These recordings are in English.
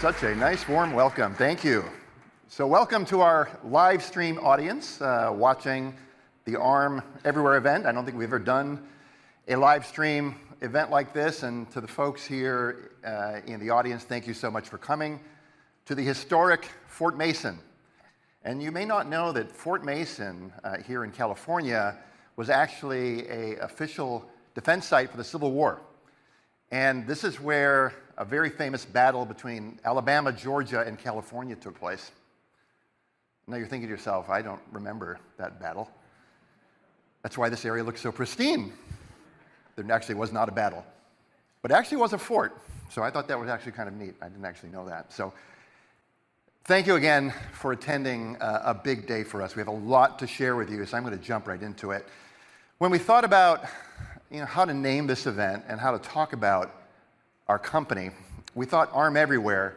Such a nice warm welcome. Thank you. Welcome to our live stream audience watching the Arm Everywhere event. I don't think we've ever done a live stream event like this, and to the folks here in the audience, thank you so much for coming to the historic Fort Mason. You may not know that Fort Mason here in California was actually an official defense site for the Civil War, and this is where a very famous battle between Alabama, Georgia, and California took place. I know you're thinking to yourself, "I don't remember that battle." That's why this area looks so pristine. There actually was not a battle, but it actually was a fort. I thought that was actually kind of neat. I didn't actually know that. Thank you again for attending a big day for us. We have a lot to share with you, so I'm gonna jump right into it. When we thought about, you know, how to name this event and how to talk about our company, we thought Arm Everywhere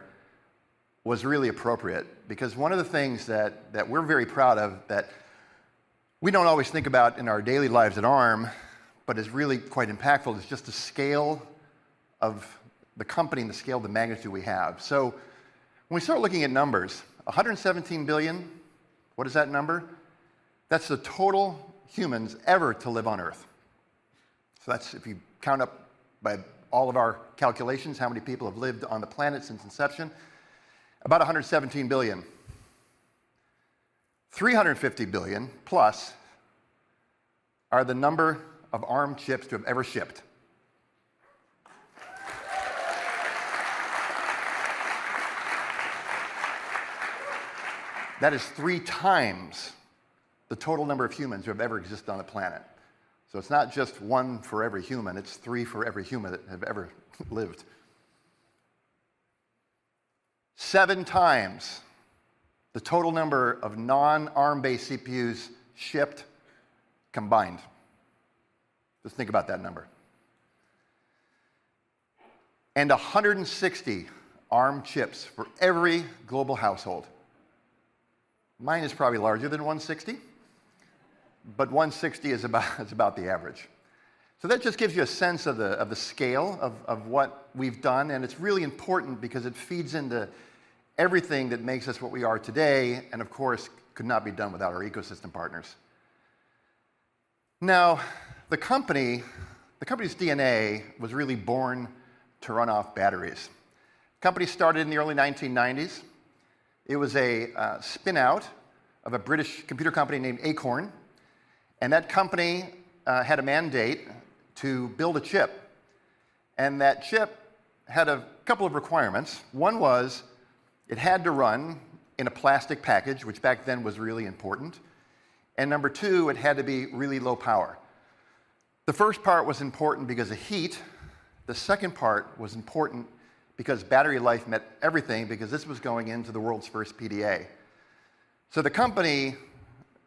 was really appropriate because one of the things that we're very proud of that we don't always think about in our daily lives at Arm, but is really quite impactful, is just the scale of the company and the scale of the magnitude we have. When we start looking at numbers, 117 billion. What is that number? That's the total humans ever to live on Earth. That's if you count up by all of our calculations how many people have lived on the planet since inception, about 117 billion. 350 billion plus are the number of Arm chips to have ever shipped. That is three times the total number of humans who have ever existed on the planet. It's not just one for every human, it's three for every human that have ever lived. 7x the total number of non-Arm-based CPUs shipped combined. Just think about that number. 160 Arm chips for every global household. Mine is probably larger than 160, but 160 is about the average. That just gives you a sense of the scale of what we've done, and it's really important because it feeds into everything that makes us what we are today and, of course, could not be done without our ecosystem partners. The company's DNA was really born to run off batteries. Company started in the early 1990s. It was a spin-out of a British computer company named Acorn Computers, and that company had a mandate to build a chip, and that chip had a couple of requirements. One was it had to run in a plastic package, which back then was really important, and number two, it had to be really low power. The first part was important because of heat. The second part was important because battery life meant everything because this was going into the world's first PDA. The company,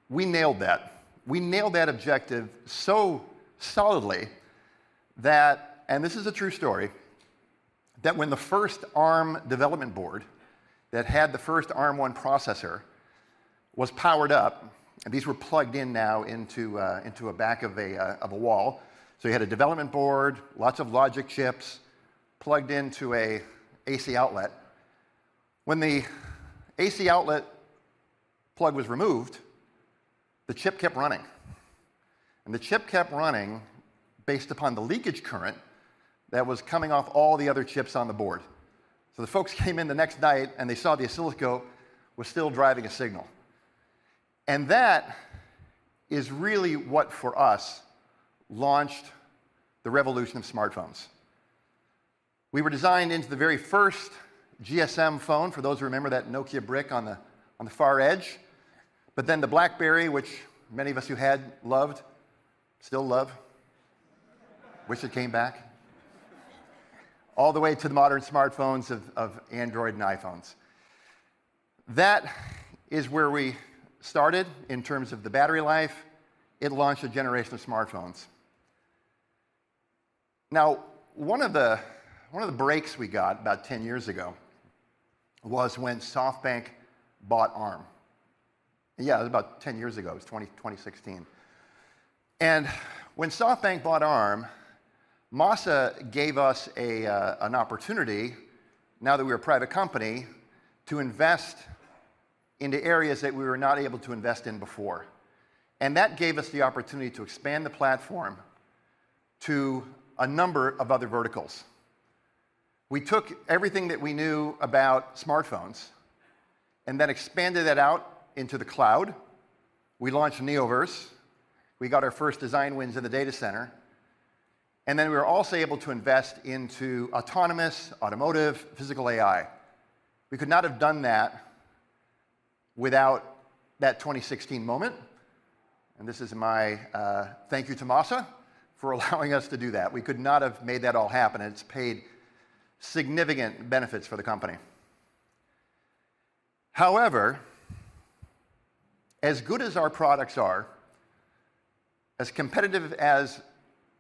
we nailed that. We nailed that objective so solidly that, and this is a true story, that when the first Arm development board that had the first Arm one processor was powered up, and these were plugged in now into the back of a wall. You had a development board, lots of logic chips plugged into an AC outlet. When the AC outlet plug was removed, the chip kept running based upon the leakage current that was coming off all the other chips on the board. The folks came in the next night and they saw the oscilloscope was still driving a signal, and that is really what for us launched the revolution of smartphones. We were designed into the very first GSM phone, for those who remember that Nokia brick on the far edge. Then the BlackBerry, which many of us who had loved, still love. Wish it came back. All the way to the modern smartphones of Android and iPhones. That is where we started in terms of the battery life. It launched a generation of smartphones. Now, one of the breaks we got about 10 years ago was when SoftBank bought Arm. Yeah, it was about 10 years ago. It was 2016. When SoftBank bought Arm, Masa gave us an opportunity, now that we're a private company, to invest into areas that we were not able to invest in before. That gave us the opportunity to expand the platform to a number of other verticals. We took everything that we knew about smartphones and then expanded that out into the cloud. We launched Neoverse. We got our first design wins in the data center, and then we were also able to invest into autonomous, automotive, physical AI. We could not have done that without that 2016 moment, and this is my thank you to Masa for allowing us to do that. We could not have made that all happen, and it's paid significant benefits for the company. However, as good as our products are, as competitive as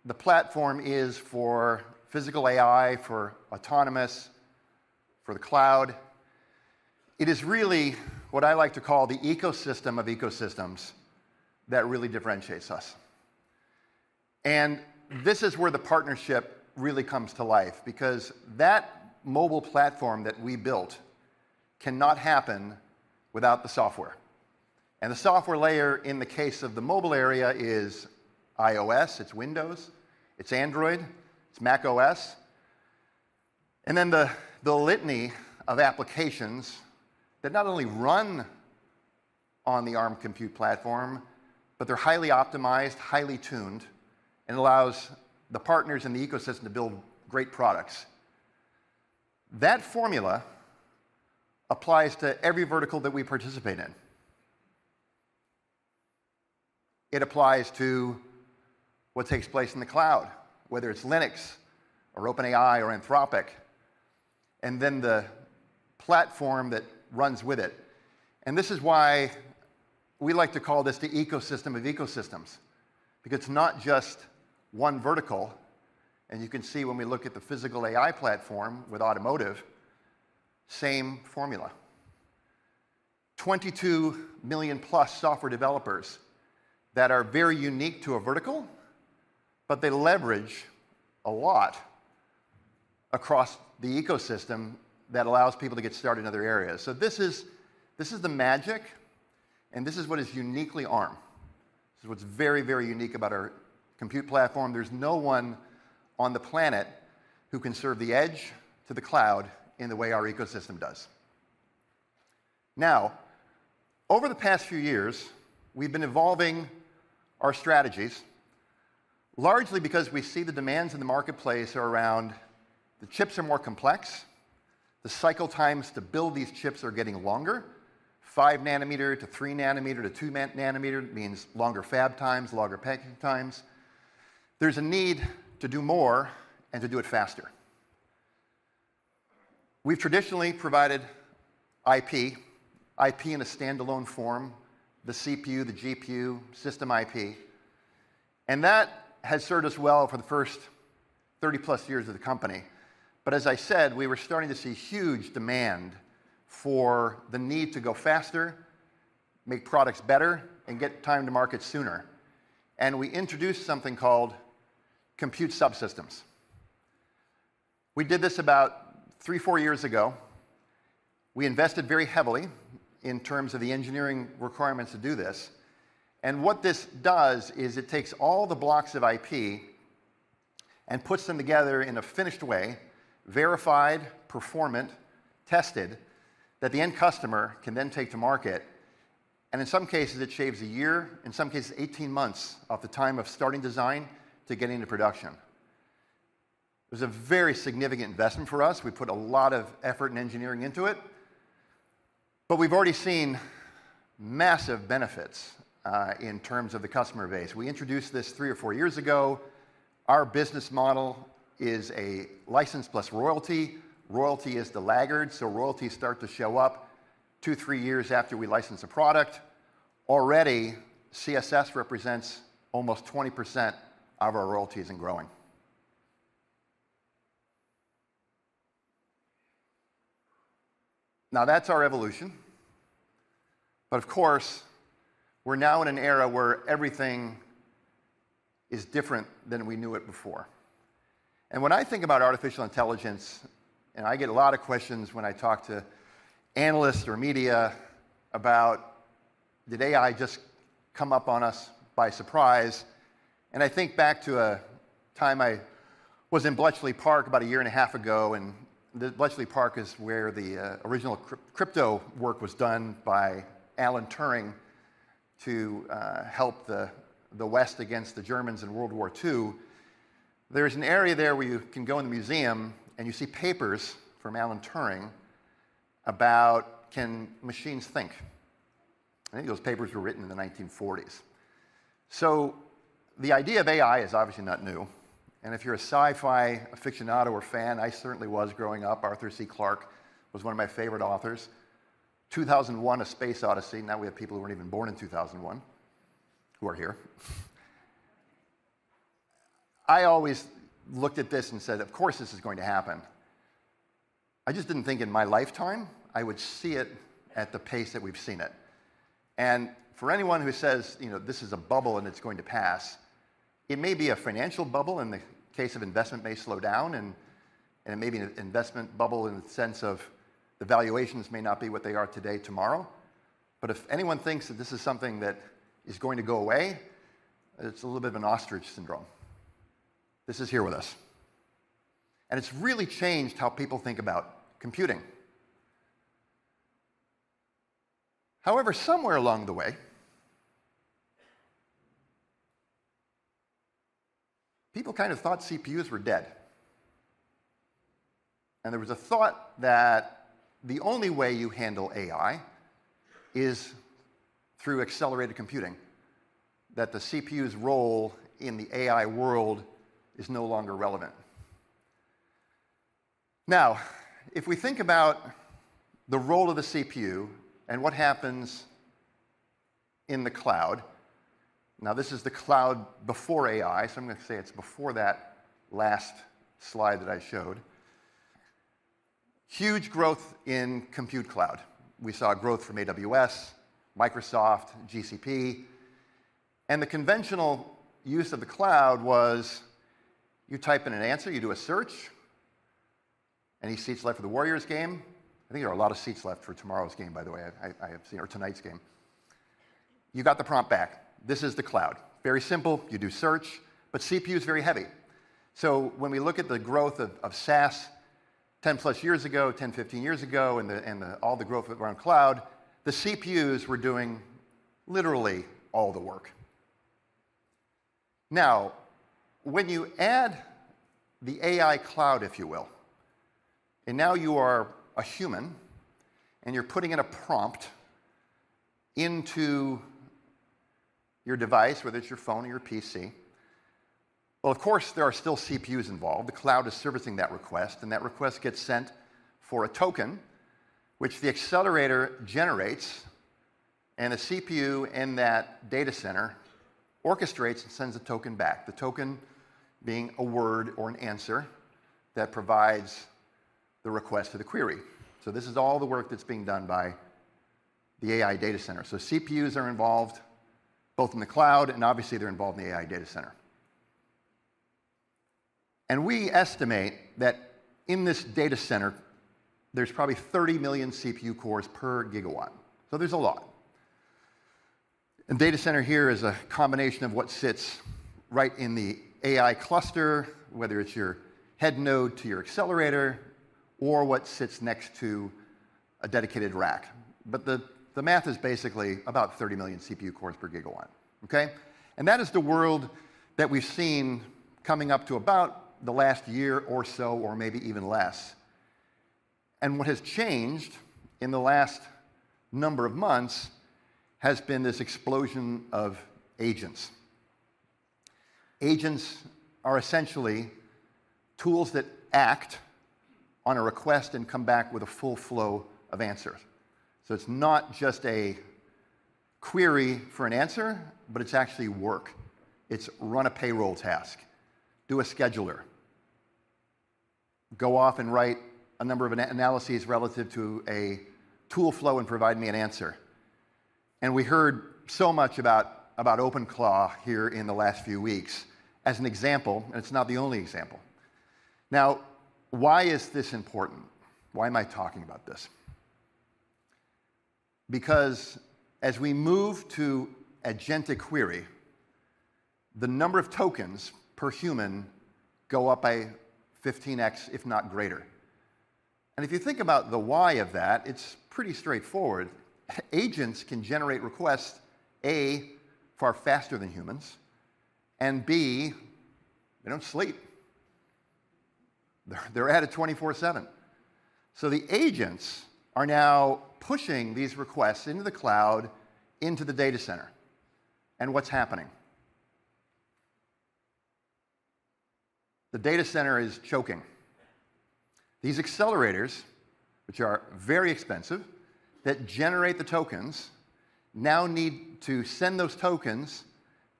the platform is for physical AI, for autonomous, for the cloud, it is really what I like to call the ecosystem of ecosystems that really differentiates us. This is where the partnership really comes to life because that mobile platform that we built cannot happen without the software. The software layer in the case of the mobile area is iOS, it's Windows, it's Android, it's macOS. Then the litany of applications that not only run on the Arm compute platform, but they're highly optimized, highly tuned, and allows the partners in the ecosystem to build great products. That formula applies to every vertical that we participate in. It applies to what takes place in the cloud, whether it's Linux or OpenAI or Anthropic, and then the platform that runs with it. This is why we like to call this the ecosystem of ecosystems, because it's not just one vertical. You can see when we look at the physical AI platform with automotive, same formula. 22 million-plus software developers that are very unique to a vertical, but they leverage a lot across the ecosystem that allows people to get started in other areas. This is the magic, and this is what is uniquely Arm. This is what's very, very unique about our compute platform. There's no one on the planet who can serve the edge to the cloud in the way our ecosystem does. Now, over the past few years, we've been evolving our strategies largely because we see the demands in the marketplace are around the chips are more complex, the cycle times to build these chips are getting longer. 5 nm-3 nm-2 nm, means longer fab times, longer packaging times. There's a need to do more and to do it faster. We've traditionally provided IP in a standalone form, the CPU, the GPU, system IP, and that has served us well for the first 30-plus years of the company. As I said, we were starting to see huge demand for the need to go faster, make products better, and get time to market sooner. We introduced something called Compute Subsystems. We did this about three, four years ago. We invested very heavily in terms of the engineering requirements to do this, and what this does is it takes all the blocks of IP and puts them together in a finished way, verified, performant, tested, that the end customer can then take to market, and in some cases, it shaves a year, in some cases 18 months, off the time of starting design to getting to production. It was a very significant investment for us. We put a lot of effort and engineering into it, but we've already seen massive benefits in terms of the customer base. We introduced this three or four years ago. Our business model is a license plus royalty. Royalty is the laggard, so royalties start to show up two, three years after we license a product. Already, CSS represents almost 20% of our royalties and growing. Now that's our evolution. Of course, we're now in an era where everything is different than we knew it before. When I think about artificial intelligence, I get a lot of questions when I talk to analysts or media about did AI just come up on us by surprise. I think back to a time I was in Bletchley Park about a year and a half ago. Bletchley Park is where the original crypto work was done by Alan Turing to help the West against the Germans in World War II. There's an area there where you can go in the museum and you see papers from Alan Turing about can machines think. I think those papers were written in the 1940s. The idea of AI is obviously not new, and if you're a sci-fi aficionado or fan, I certainly was growing up. Arthur C. Clarke was one of my favorite authors. 2001: A Space Odyssey. Now we have people who weren't even born in 2001 who are here. I always looked at this and said, "Of course, this is going to happen." I just didn't think in my lifetime I would see it at the pace that we've seen it. For anyone who says, you know, this is a bubble and it's going to pass, it may be a financial bubble, and the case of investment may slow down and it may be an investment bubble in the sense of the valuations may not be what they are today, tomorrow. But if anyone thinks that this is something that is going to go away, it's a little bit of an ostrich syndrome. This is here with us. It's really changed how people think about computing. However, somewhere along the way, people kind of thought CPUs were dead. There was a thought that the only way you handle AI is through accelerated computing, that the CPU's role in the AI world is no longer relevant. Now, if we think about the role of the CPU and what happens in the cloud, now this is the cloud before AI, so I'm gonna say it's before that last slide that I showed. Huge growth in compute cloud. We saw growth from AWS, Microsoft, GCP. The conventional use of the cloud was you type in an answer, you do a search. Any seats left for the Warriors game? I think there are a lot of seats left for tomorrow's game, by the way. I have seen or tonight's game. You got the prompt back. This is the cloud. Very simple. You do search, but CPU is very heavy. When we look at the growth of SaaS 10+ years ago, 10, 15 years ago, and the growth around cloud, the CPUs were doing literally all the work. Now, when you add the AI cloud, if you will, and now you are a human, and you're putting in a prompt into your device, whether it's your phone or your PC, well, of course there are still CPUs involved. The cloud is servicing that request, and that request gets sent for a token, which the accelerator generates, and a CPU in that data center orchestrates and sends a token back, the token being a word or an answer that provides the request for the query. This is all the work that's being done by the AI data center. CPUs are involved both in the cloud, and obviously they're involved in the AI data center. We estimate that in this data center, there's probably 30 million CPU cores per gigawatt. There's a lot. Data center here is a combination of what sits right in the AI cluster, whether it's your head node to your accelerator or what sits next to a dedicated rack. The math is basically about 30 million CPU cores per gigawatt. Okay? That is the world that we've seen coming up to about the last year or so, or maybe even less. What has changed in the last number of months has been this explosion of agents. Agents are essentially tools that act on a request and come back with a full flow of answers. It's not just a query for an answer, but it's actually work. It's run a payroll task, do a scheduler, go off and write a number of analyses relative to a tool flow and provide me an answer. We heard so much about OpenAI here in the last few weeks as an example, and it's not the only example. Now, why is this important? Why am I talking about this? Because as we move to agentic query, the number of tokens per human go up by 15x, if not greater. If you think about the why of that, it's pretty straightforward. Agents can generate requests far faster than humans, and they don't sleep. They're at it 24/7. The agents are now pushing these requests into the cloud, into the data center. What's happening? The data center is choking. These accelerators, which are very expensive that generate the tokens, now need to send those tokens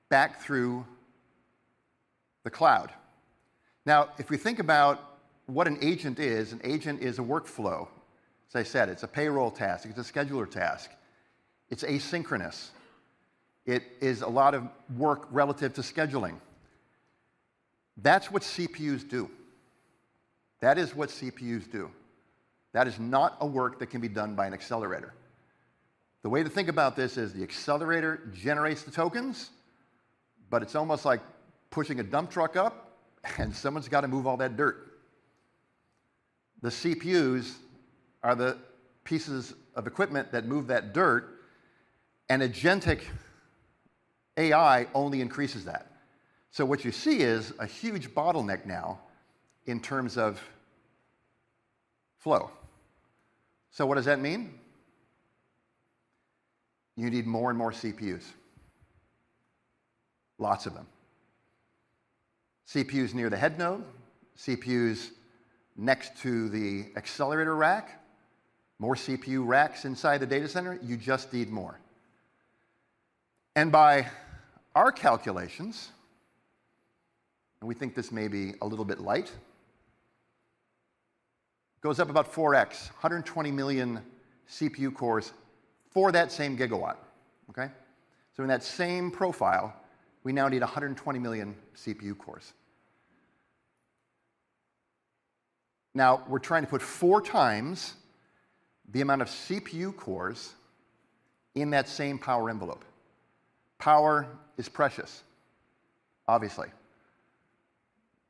back through the cloud. If we think about what an agent is, an agent is a workflow. As I said, it's a payroll task. It's a scheduler task. It's asynchronous. It is a lot of work relative to scheduling. That's what CPUs do. That is not a work that can be done by an accelerator. The way to think about this is the accelerator generates the tokens, but it's almost like pushing a dump truck up and someone's gotta move all that dirt. The CPUs are the pieces of equipment that move that dirt, and agentic AI only increases that. What you see is a huge bottleneck now in terms of flow. What does that mean? You need more and more CPUs. Lots of them. CPUs near the head node, CPUs next to the accelerator rack, more CPU racks inside the data center. You just need more. By our calculations, and we think this may be a little bit light, goes up about 4x, 120 million CPU cores for that same gigawatt. Okay? In that same profile, we now need 120 million CPU cores. Now, we're trying to put 4x the amount of CPU cores in that same power envelope. Power is precious, obviously.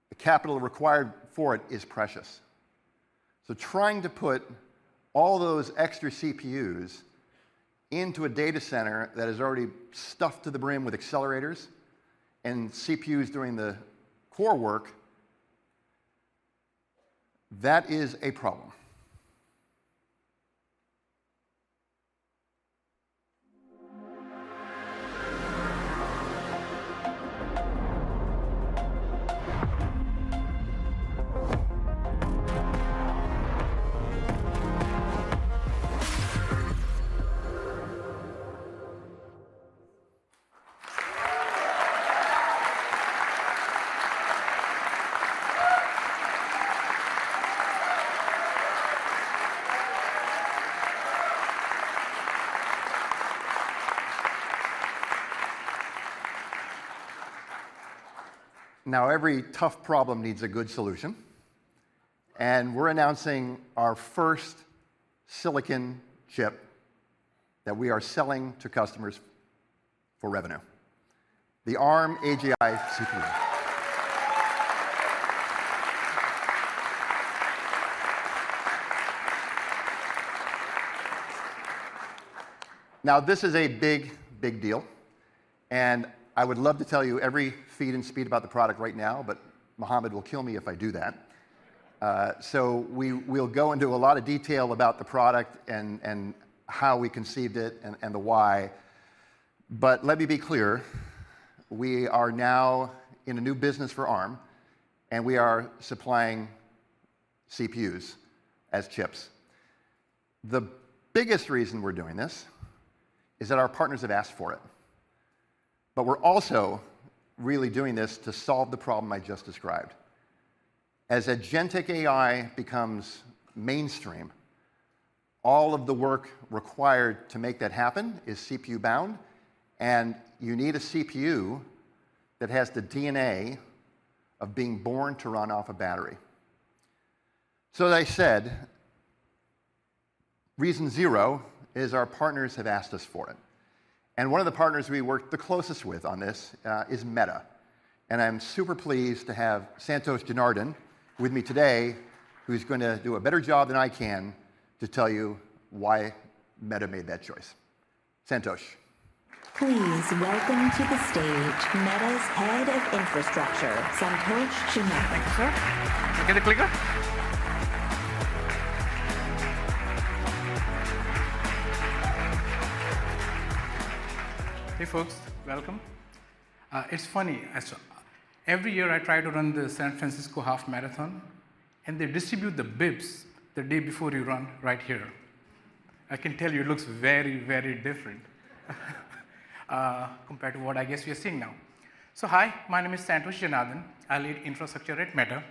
The capital required for it is precious. Trying to put all those extra CPUs into a data center that is already stuffed to the brim with accelerators and CPUs doing the core work, that is a problem. Now, every tough problem needs a good solution, and we're announcing our first silicon chip that we are selling to customers for revenue. The Arm AGI CPU. Now, this is a big, big deal, and I would love to tell you every feeds and speeds about the product right now, but Mohamed will kill me if I do that. We'll go into a lot of detail about the product and how we conceived it and the why. Let me be clear, we are now in a new business for Arm, and we are supplying CPUs as chips. The biggest reason we're doing this is that our partners have asked for it. We're also really doing this to solve the problem I just described. As agentic AI becomes mainstream, all of the work required to make that happen is CPU-bound, and you need a CPU that has the DNA of being born to run off a battery. As I said, reason zero is our partners have asked us for it, and one of the partners we worked the closest with on this, is Meta. I'm super pleased to have Santosh Janardhan with me today, who's gonna do a better job than I can to tell you why Meta made that choice. Santhosh. Please welcome to the stage Meta's Head of Infrastructure, Santhosh Janarthanan. Can I get a clicker? Hey, folks. Welcome. It's funny, as every year I try to run the San Francisco Half Marathon, and they distribute the bibs the day before you run right here. I can tell you, it looks very, very different, compared to what I guess you're seeing now. Hi, my name is Santhosh Janarthanan. I lead infrastructure at Meta.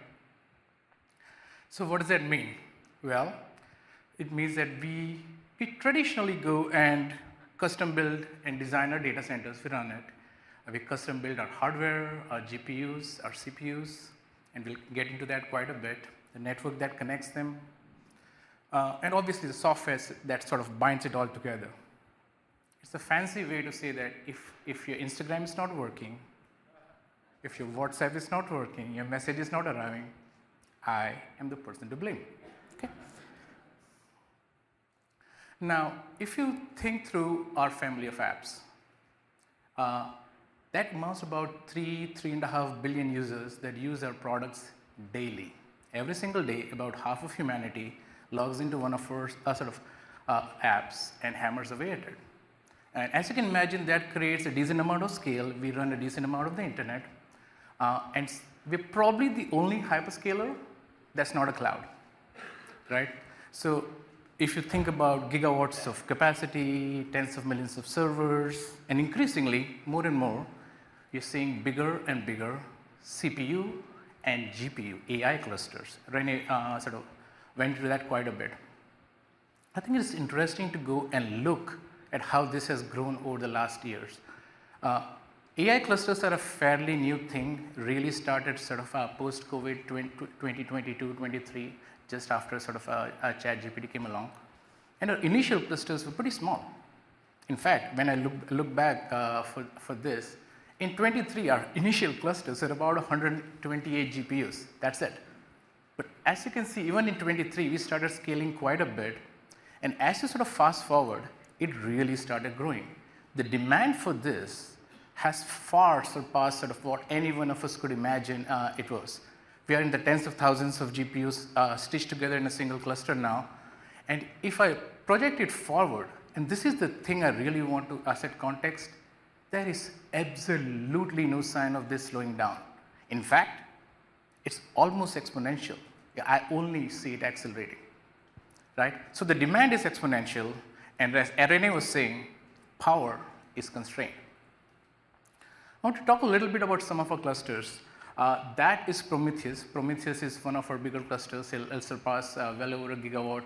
What does that mean? Well, it means that we traditionally go and custom-build and design our data centers to run it, and we custom-build our hardware, our GPUs, our CPUs, and we'll get into that quite a bit, the network that connects them, and obviously the software that sort of binds it all together. It's a fancy way to say that if your Instagram is not working, if your WhatsApp is not working, your message is not arriving, I am the person to blame. Okay? Now, if you think through our family of apps, that amounts to about 3.5 billion users that use our products daily. Every single day, about half of humanity logs into one of our sort of apps and hammers away at it. As you can imagine, that creates a decent amount of scale. We run a decent amount of the internet. We're probably the only hyperscaler that's not a cloud, right? If you think about gigawatts of capacity, tens of millions of servers, and increasingly, more and more you're seeing bigger and bigger CPU and GPU AI clusters. Rene sort of went through that quite a bit. I think it's interesting to go and look at how this has grown over the last years. AI clusters are a fairly new thing, really started sort of post-COVID 2020 to 2023, just after sort of ChatGPT came along. Our initial clusters were pretty small. In fact, when I look back for this, in 2023, our initial clusters had about 128 GPUs. That's it. As you can see, even in 2023, we started scaling quite a bit. As you sort of fast-forward, it really started growing. The demand for this has far surpassed sort of what any one of us could imagine, it was. We are in the tens of thousands of GPUs stitched together in a single cluster now. If I project it forward, and this is the thing I really want to set context, there is absolutely no sign of this slowing down. In fact, it's almost exponential. I only see it accelerating, right? The demand is exponential, and Rene was saying, power is constrained. I want to talk a little bit about some of our clusters. That is Prometheus. Prometheus is one of our bigger clusters. It'll surpass well over a gigawatt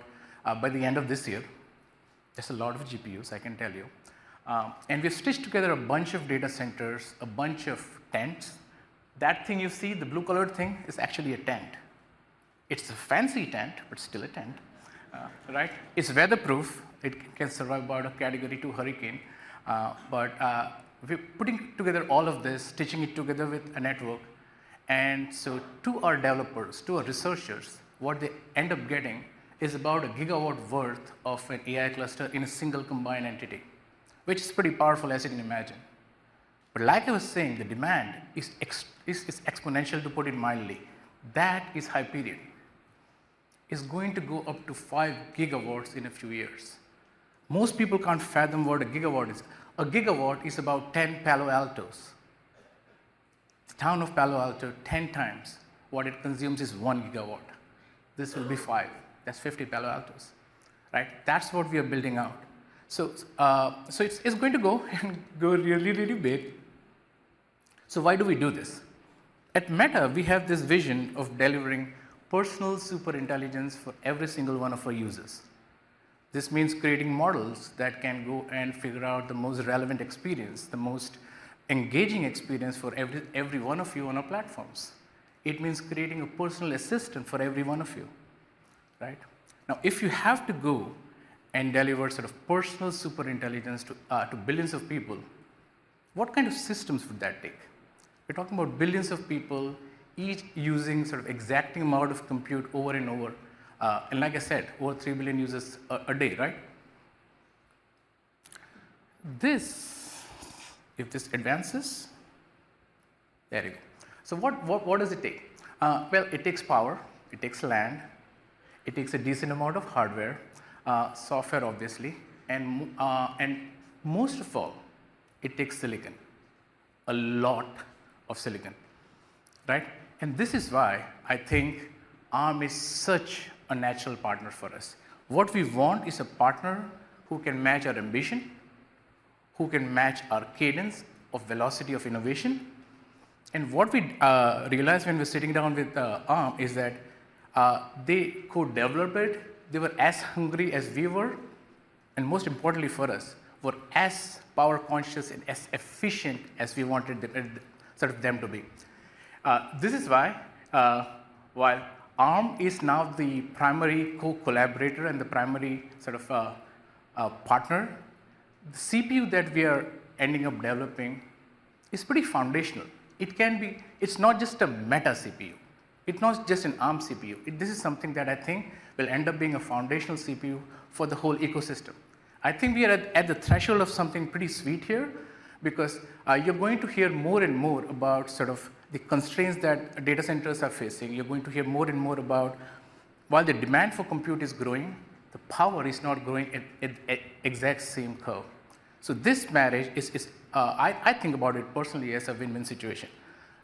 by the end of this year. That's a lot of GPUs, I can tell you. We've stitched together a bunch of data centers, a bunch of tents. That thing you see, the blue-colored thing, is actually a tent. It's a fancy tent, but still a tent. Right? It's weatherproof. It can survive about a Category two hurricane. We're putting together all of this, stitching it together with a network. To our developers, to our researchers, what they end up getting is about a gigawatt worth of an AI cluster in a single combined entity, which is pretty powerful, as you can imagine. Like I was saying, the demand is exponential, to put it mildly. That is Hyperion. It's going to go up to 5 GW in a few years. Most people can't fathom what a gigawatt is. A gigawatt is about 10 Palo Altos. The town of Palo Alto, 10 times what it consumes is one gigawatt. This will be five. That's 50 Palo Altos, right? That's what we are building out. It's going to go and go really, really big. Why do we do this? At Meta, we have this vision of delivering personal superintelligence for every single one of our users. This means creating models that can go and figure out the most relevant experience, the most engaging experience for every one of you on our platforms. It means creating a personal assistant for every one of you, right? Now, if you have to go and deliver sort of personal superintelligence to billions of people, what kind of systems would that take? We're talking about billions of people, each using sort of exacting amount of compute over and over. Like I said, over three billion users a day, right? What does it take? It takes power, it takes land, it takes a decent amount of hardware, software obviously, and most of all, it takes silicon. A lot of silicon, right? This is why I think Arm is such a natural partner for us. What we want is a partner who can match our ambition, who can match our cadence of velocity of innovation. What we realized when we were sitting down with Arm is that they could develop it, they were as hungry as we were, and most importantly for us, were as power-conscious and as efficient as we wanted the sort of them to be. This is why Arm is now the primary co-collaborator and the primary sort of partner. The CPU that we are ending up developing is pretty foundational. It's not just a Meta CPU. It's not just an Arm CPU. This is something that I think will end up being a foundational CPU for the whole ecosystem. I think we are at the threshold of something pretty sweet here, because you're going to hear more and more about sort of the constraints that data centers are facing. You're going to hear more and more about while the demand for compute is growing, the power is not growing at exact same curve. This marriage is I think about it personally as a win-win situation,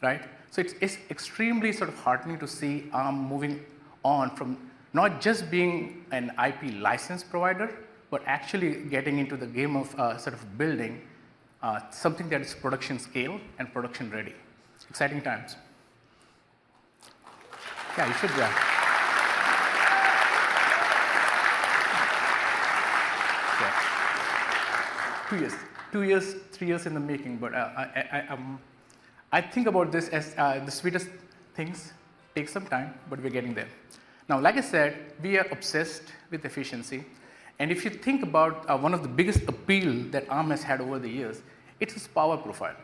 right? It's extremely sort of heartening to see Arm moving on from not just being an IP license provider, but actually getting into the game of sort of building something that is production scale and production ready. Exciting times. Yeah, you should yeah. Two years, three years in the making. I think about this as the sweetest things take some time, but we're getting there. Now, like I said, we are obsessed with efficiency. If you think about one of the biggest appeal that Arm has had over the years, it's its power profile.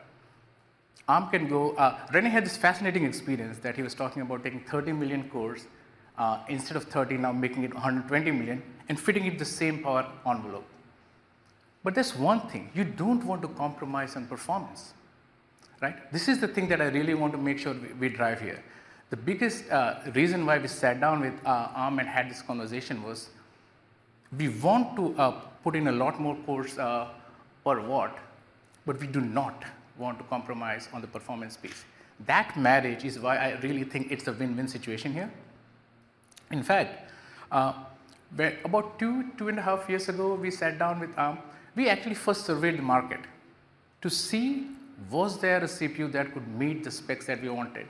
Arm can go, Rene had this fascinating experience that he was talking about taking 30 million core, instead of 30 now making it 120 million and fitting it in the same power envelope. There's one thing, you don't want to compromise on performance, right? This is the thing that I really want to make sure we drive here. The biggest reason why we sat down with Arm and had this conversation was we want to put in a lot more cores per watt, but we do not want to compromise on the performance piece. That marriage is why I really think it's a win-win situation here. In fact, about two and a half years ago, we sat down with Arm. We actually first surveyed the market to see was there a CPU that could meet the specs that we wanted.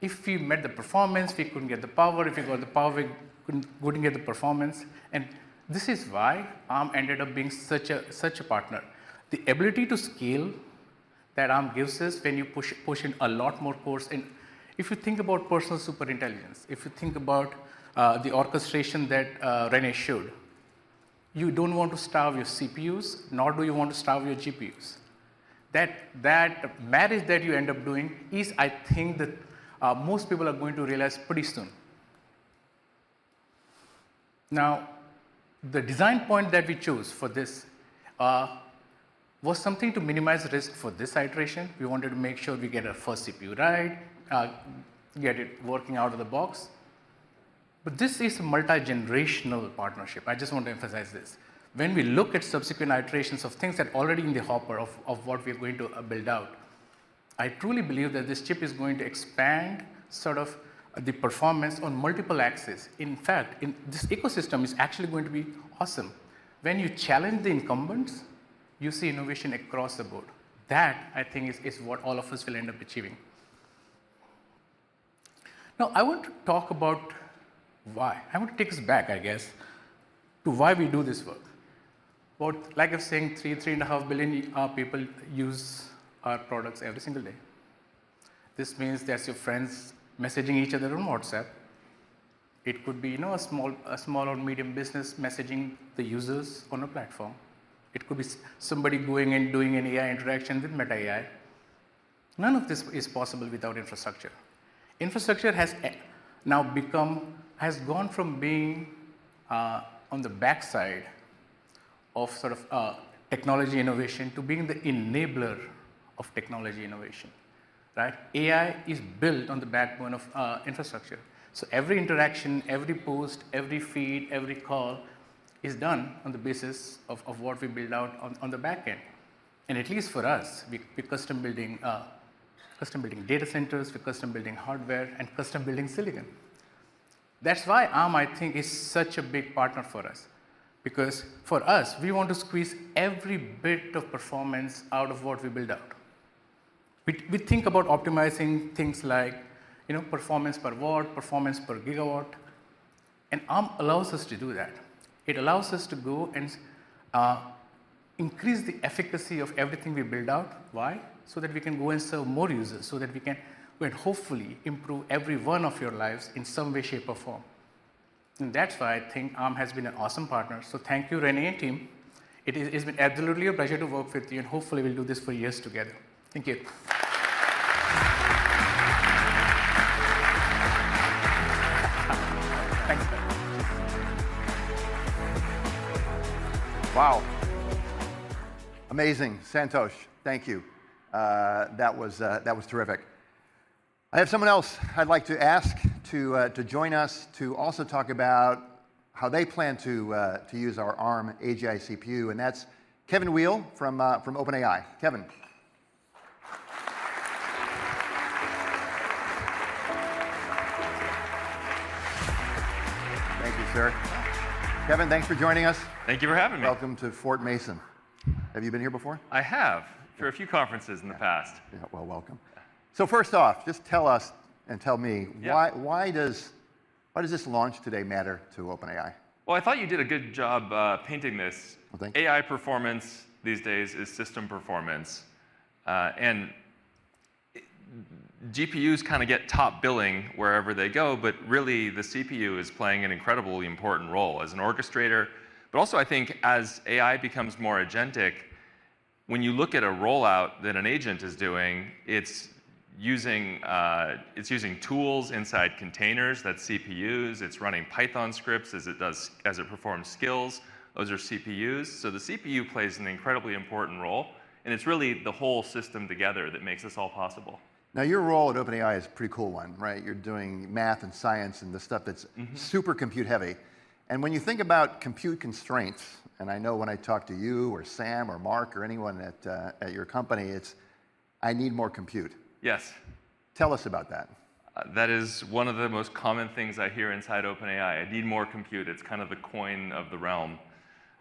If we met the performance, we couldn't get the power. If we got the power, we couldn't, wouldn't get the performance. This is why Arm ended up being such a partner. The ability to scale that Arm gives us when you push in a lot more cores in. If you think about personal superintelligence, if you think about the orchestration that Rene showed, you don't want to starve your CPUs, nor do you want to starve your GPUs. That marriage that you end up doing is I think that most people are going to realize pretty soon. Now, the design point that we chose for this was something to minimize risk for this iteration. We wanted to make sure we get our first CPU right, get it working out of the box. This is a multi-generational partnership. I just want to emphasize this. When we look at subsequent iterations of things that are already in the hopper of what we're going to build out, I truly believe that this chip is going to expand sort of the performance on multiple axes. In fact, this ecosystem is actually going to be awesome. When you challenge the incumbents, you see innovation across the board. That, I think, is what all of us will end up achieving. Now, I want to talk about why. I want to take us back, I guess, to why we do this work. About, like I was saying, 3.5 billion people use our products every single day. This means that's your friends messaging each other on WhatsApp. It could be, you know, a small or medium business messaging the users on a platform. It could be somebody going and doing an AI interaction with Meta AI. None of this is possible without infrastructure. Infrastructure has now become, has gone from being on the backside of sort of technology innovation to being the enabler of technology innovation, right? AI is built on the backbone of infrastructure. Every interaction, every post, every feed, every call is done on the basis of what we build out on the back end. At least for us, we're custom-building data centers, we're custom-building hardware, and custom-building silicon. That's why Arm, I think, is such a big partner for us because for us, we want to squeeze every bit of performance out of what we build out. We think about optimizing things like, you know, performance per watt, performance per gigawatt, and Arm allows us to do that. It allows us to go and increase the efficacy of everything we build out. Why? So that we can go and serve more users, so that we'd hopefully improve every one of your lives in some way, shape, or form. That's why I think Arm has been an awesome partner. Thank you, Rene and team. It has, it has been absolutely a pleasure to work with you, and hopefully we'll do this for years together. Thank you. Wow. Amazing. Santhosh, thank you. That was terrific. I have someone else I'd like to ask to join us to also talk about how they plan to use our Arm AGI CPU, and that's Kevin Weil from OpenAI. Kevin. Thank you, sir. Kevin, thanks for joining us. Thank you for having me. Welcome to Fort Mason. Have you been here before? I have, for a few conferences in the past. Yeah. Well, welcome. First off, just tell us and tell me- Yeah Why does this launch today matter to OpenAI? Well, I thought you did a good job, painting this. Well, thank you. AI performance these days is system performance. GPUs kinda get top billing wherever they go, but really the CPU is playing an incredibly important role as an orchestrator. Also, I think, as AI becomes more agentic, when you look at a rollout that an agent is doing, it's using tools inside containers. That's CPUs. It's running Python scripts as it does, as it performs skills. Those are CPUs. The CPU plays an incredibly important role, and it's really the whole system together that makes this all possible. Now, your role at OpenAI is a pretty cool one, right? You're doing math and science and the stuff that's- Mm-hmm... super compute heavy. When you think about compute constraints, and I know when I talk to you or Sam or Mark or anyone at your company, it's, "I need more compute. Yes. Tell us about that. That is one of the most common things I hear inside OpenAI, "I need more compute." It's kind of the coin of the realm.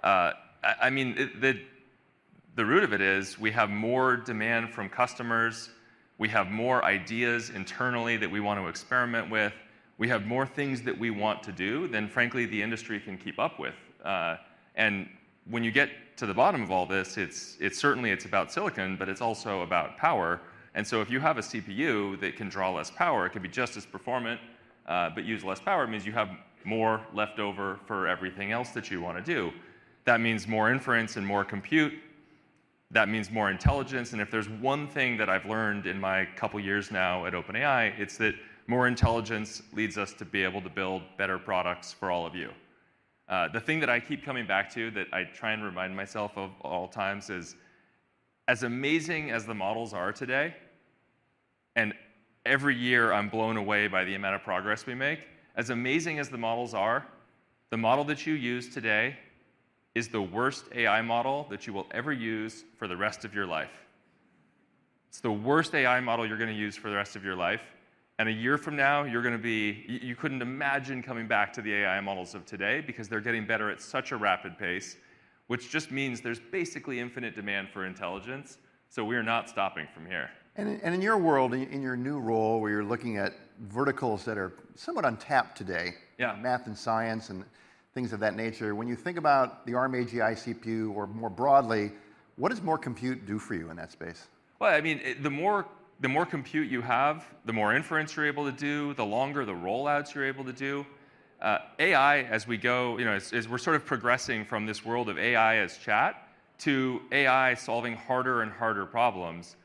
I mean, the root of it is we have more demand from customers, we have more ideas internally that we want to experiment with. We have more things that we want to do than frankly the industry can keep up with. When you get to the bottom of all this, it's certainly about silicon, but it's also about power. If you have a CPU that can draw less power, it could be just as performant, but use less power, it means you have more left over for everything else that you wanna do. That means more inference and more compute. That means more intelligence. If there's one thing that I've learned in my couple years now at OpenAI, it's that more intelligence leads us to be able to build better products for all of you. The thing that I keep coming back to that I try and remind myself of all times is, as amazing as the models are today, and every year I'm blown away by the amount of progress we make. As amazing as the models are, the model that you use today is the worst AI model that you will ever use for the rest of your life. It's the worst AI model you're gonna use for the rest of your life, and a year from now, you're gonna be. You couldn't imagine coming back to the AI models of today because they're getting better at such a rapid pace, which just means there's basically infinite demand for intelligence. We are not stopping from here. In your world and in your new role where you're looking at verticals that are somewhat untapped today. Yeah Math and science and things of that nature, when you think about the Arm AGI CPU or more broadly, what does more compute do for you in that space? Well, I mean, the more compute you have, the more inference you're able to do, the longer the roll-outs you're able to do. AI, as we go, you know, as we're sort of progressing from this world of AI as chat to AI solving harder and harder problems.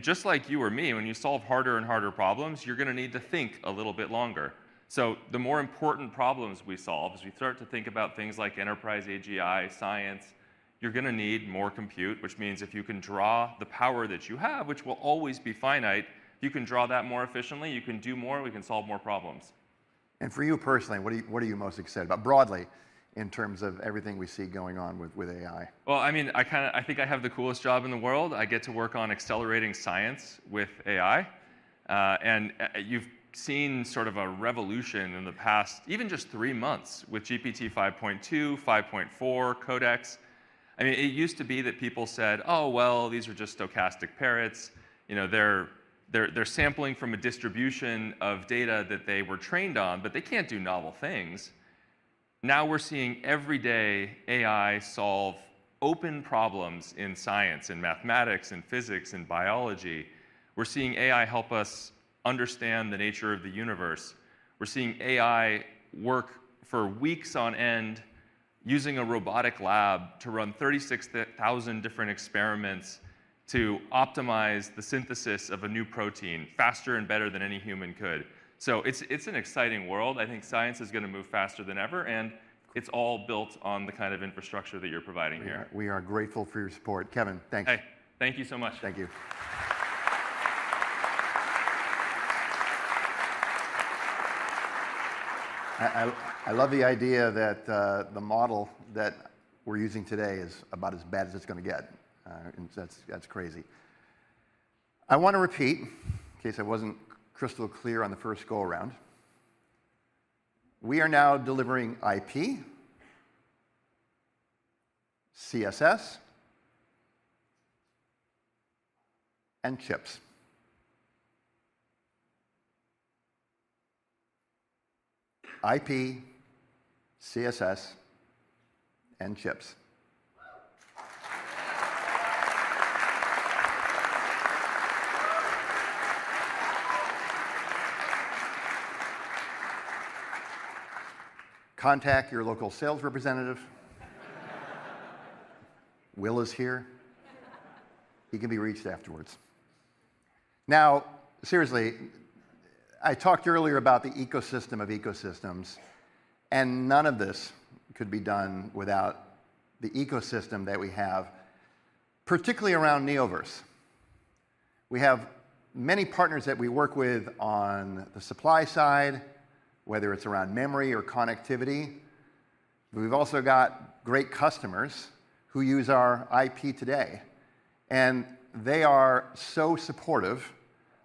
Just like you or me, when you solve harder and harder problems, you're gonna need to think a little bit longer. The more important problems we solve as we start to think about things like enterprise AGI, science, you're gonna need more compute, which means if you can draw the power that you have, which will always be finite, if you can draw that more efficiently, you can do more, we can solve more problems. For you personally, what are you most excited about broadly in terms of everything we see going on with AI? I mean, I kinda think I have the coolest job in the world. I get to work on accelerating science with AI. You've seen sort of a revolution in the past even just three months with GPT-5.2, 5.4, Codex. I mean, it used to be that people said, "Oh, well, these are just stochastic parrots. You know, they're sampling from a distribution of data that they were trained on, but they can't do novel things." Now we're seeing every day AI solve open problems in science, in mathematics, in physics, in biology. We're seeing AI help us understand the nature of the universe. We're seeing AI work for weeks on end using a robotic lab to run 36,000 different experiments to optimize the synthesis of a new protein faster and better than any human could. It's an exciting world. I think science is gonna move faster than ever, and it's all built on the kind of infrastructure that you're providing here. We are grateful for your support. Kevin, thank you. Hey. Thank you so much. Thank you. I love the idea that the model that we're using today is about as bad as it's gonna get. That's crazy. I wanna repeat in case I wasn't crystal clear on the first go-around. We are now delivering IP, CSS, and chips. Contact your local sales representative. Will is here. He can be reached afterwards. Now, seriously, I talked earlier about the ecosystem of ecosystems, and none of this could be done without the ecosystem that we have, particularly around Neoverse. We have many partners that we work with on the supply side, whether it's around memory or connectivity. We've also got great customers who use our IP today, and they are so supportive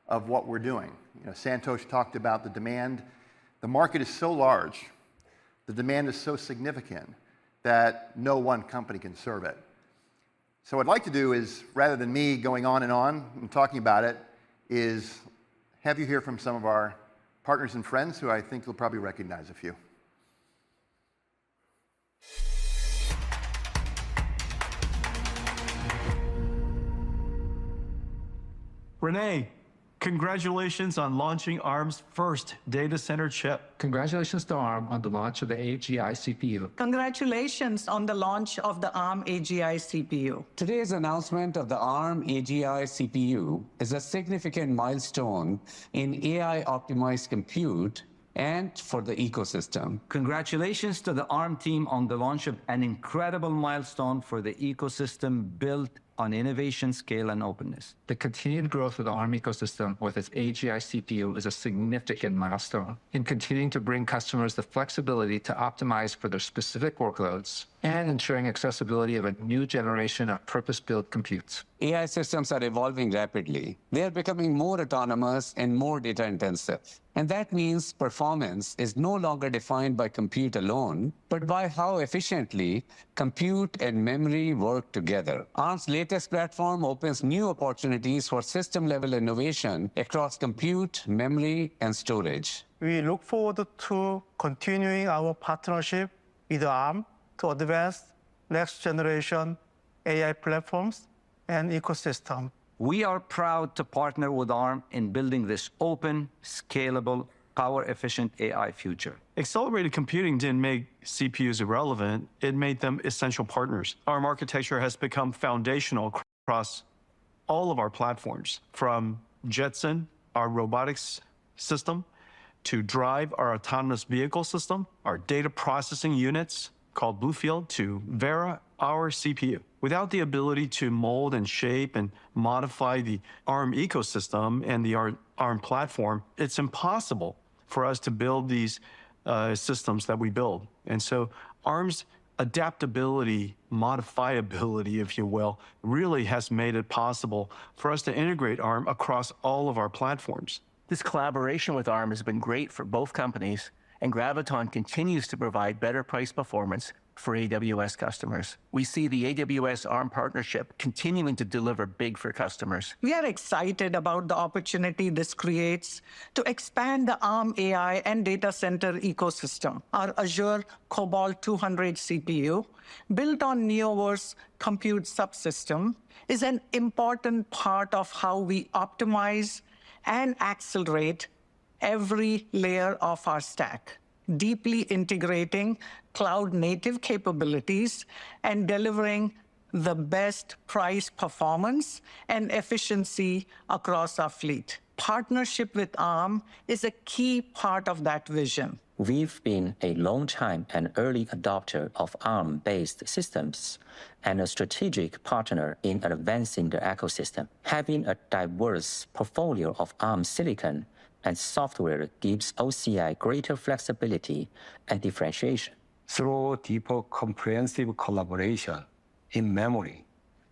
of what we're doing. You know, Santhosh talked about the demand. The market is so large, the demand is so significant that no one company can serve it. What I'd like to do is, rather than me going on and on and talking about it, is have you hear from some of our partners and friends who I think you'll probably recognize a few. Rene, congratulations on launching Arm's first data center chip. Congratulations to Arm on the launch of the AGI CPU. Congratulations on the launch of the Arm AGI CPU. Today's announcement of the Arm AGI CPU is a significant milestone in AI-optimized compute and for the ecosystem. Congratulations to the Arm team on the launch of an incredible milestone for the ecosystem built on innovation, scale, and openness. The continued growth of the Arm ecosystem with its AGI CPU is a significant milestone in continuing to bring customers the flexibility to optimize for their specific workloads and ensuring accessibility of a new generation of purpose-built computes. AI systems are evolving rapidly. They are becoming more autonomous and more data intensive, and that means performance is no longer defined by compute alone, but by how efficiently compute and memory work together. Arm's latest platform opens new opportunities for system-level innovation across compute, memory, and storage. We look forward to continuing our partnership with Arm to advance next-generation AI platforms and ecosystem. We are proud to partner with Arm in building this open, scalable, power-efficient AI future. Accelerated computing didn't make CPUs irrelevant, it made them essential partners. Arm architecture has become foundational across all of our platforms. From Jetson, our robotics system, to Drive, our autonomous vehicle system, our data processing units called BlueField to Grace, our CPU. Without the ability to mold and shape and modify the Arm ecosystem and the Arm platform, it's impossible for us to build these systems that we build. Arm's adaptability, modifiability if you will, really has made it possible for us to integrate Arm across all of our platforms. This collaboration with Arm has been great for both companies, and Graviton continues to provide better price performance for AWS customers. We see the AWS-Arm partnership continuing to deliver big for customers. We are excited about the opportunity this creates to expand the Arm AI and data center ecosystem. Our Azure Cobalt 100 CPU, built on Neoverse Compute Subsystem, is an important part of how we optimize and accelerate every layer of our stack, deeply integrating cloud-native capabilities and delivering the best price performance and efficiency across our fleet. Partnership with Arm is a key part of that vision. We've been a long-time and early adopter of Arm-based systems and a strategic partner in advancing the ecosystem. Having a diverse portfolio of Arm silicon and software gives OCI greater flexibility and differentiation. Through deeper comprehensive collaboration in memory,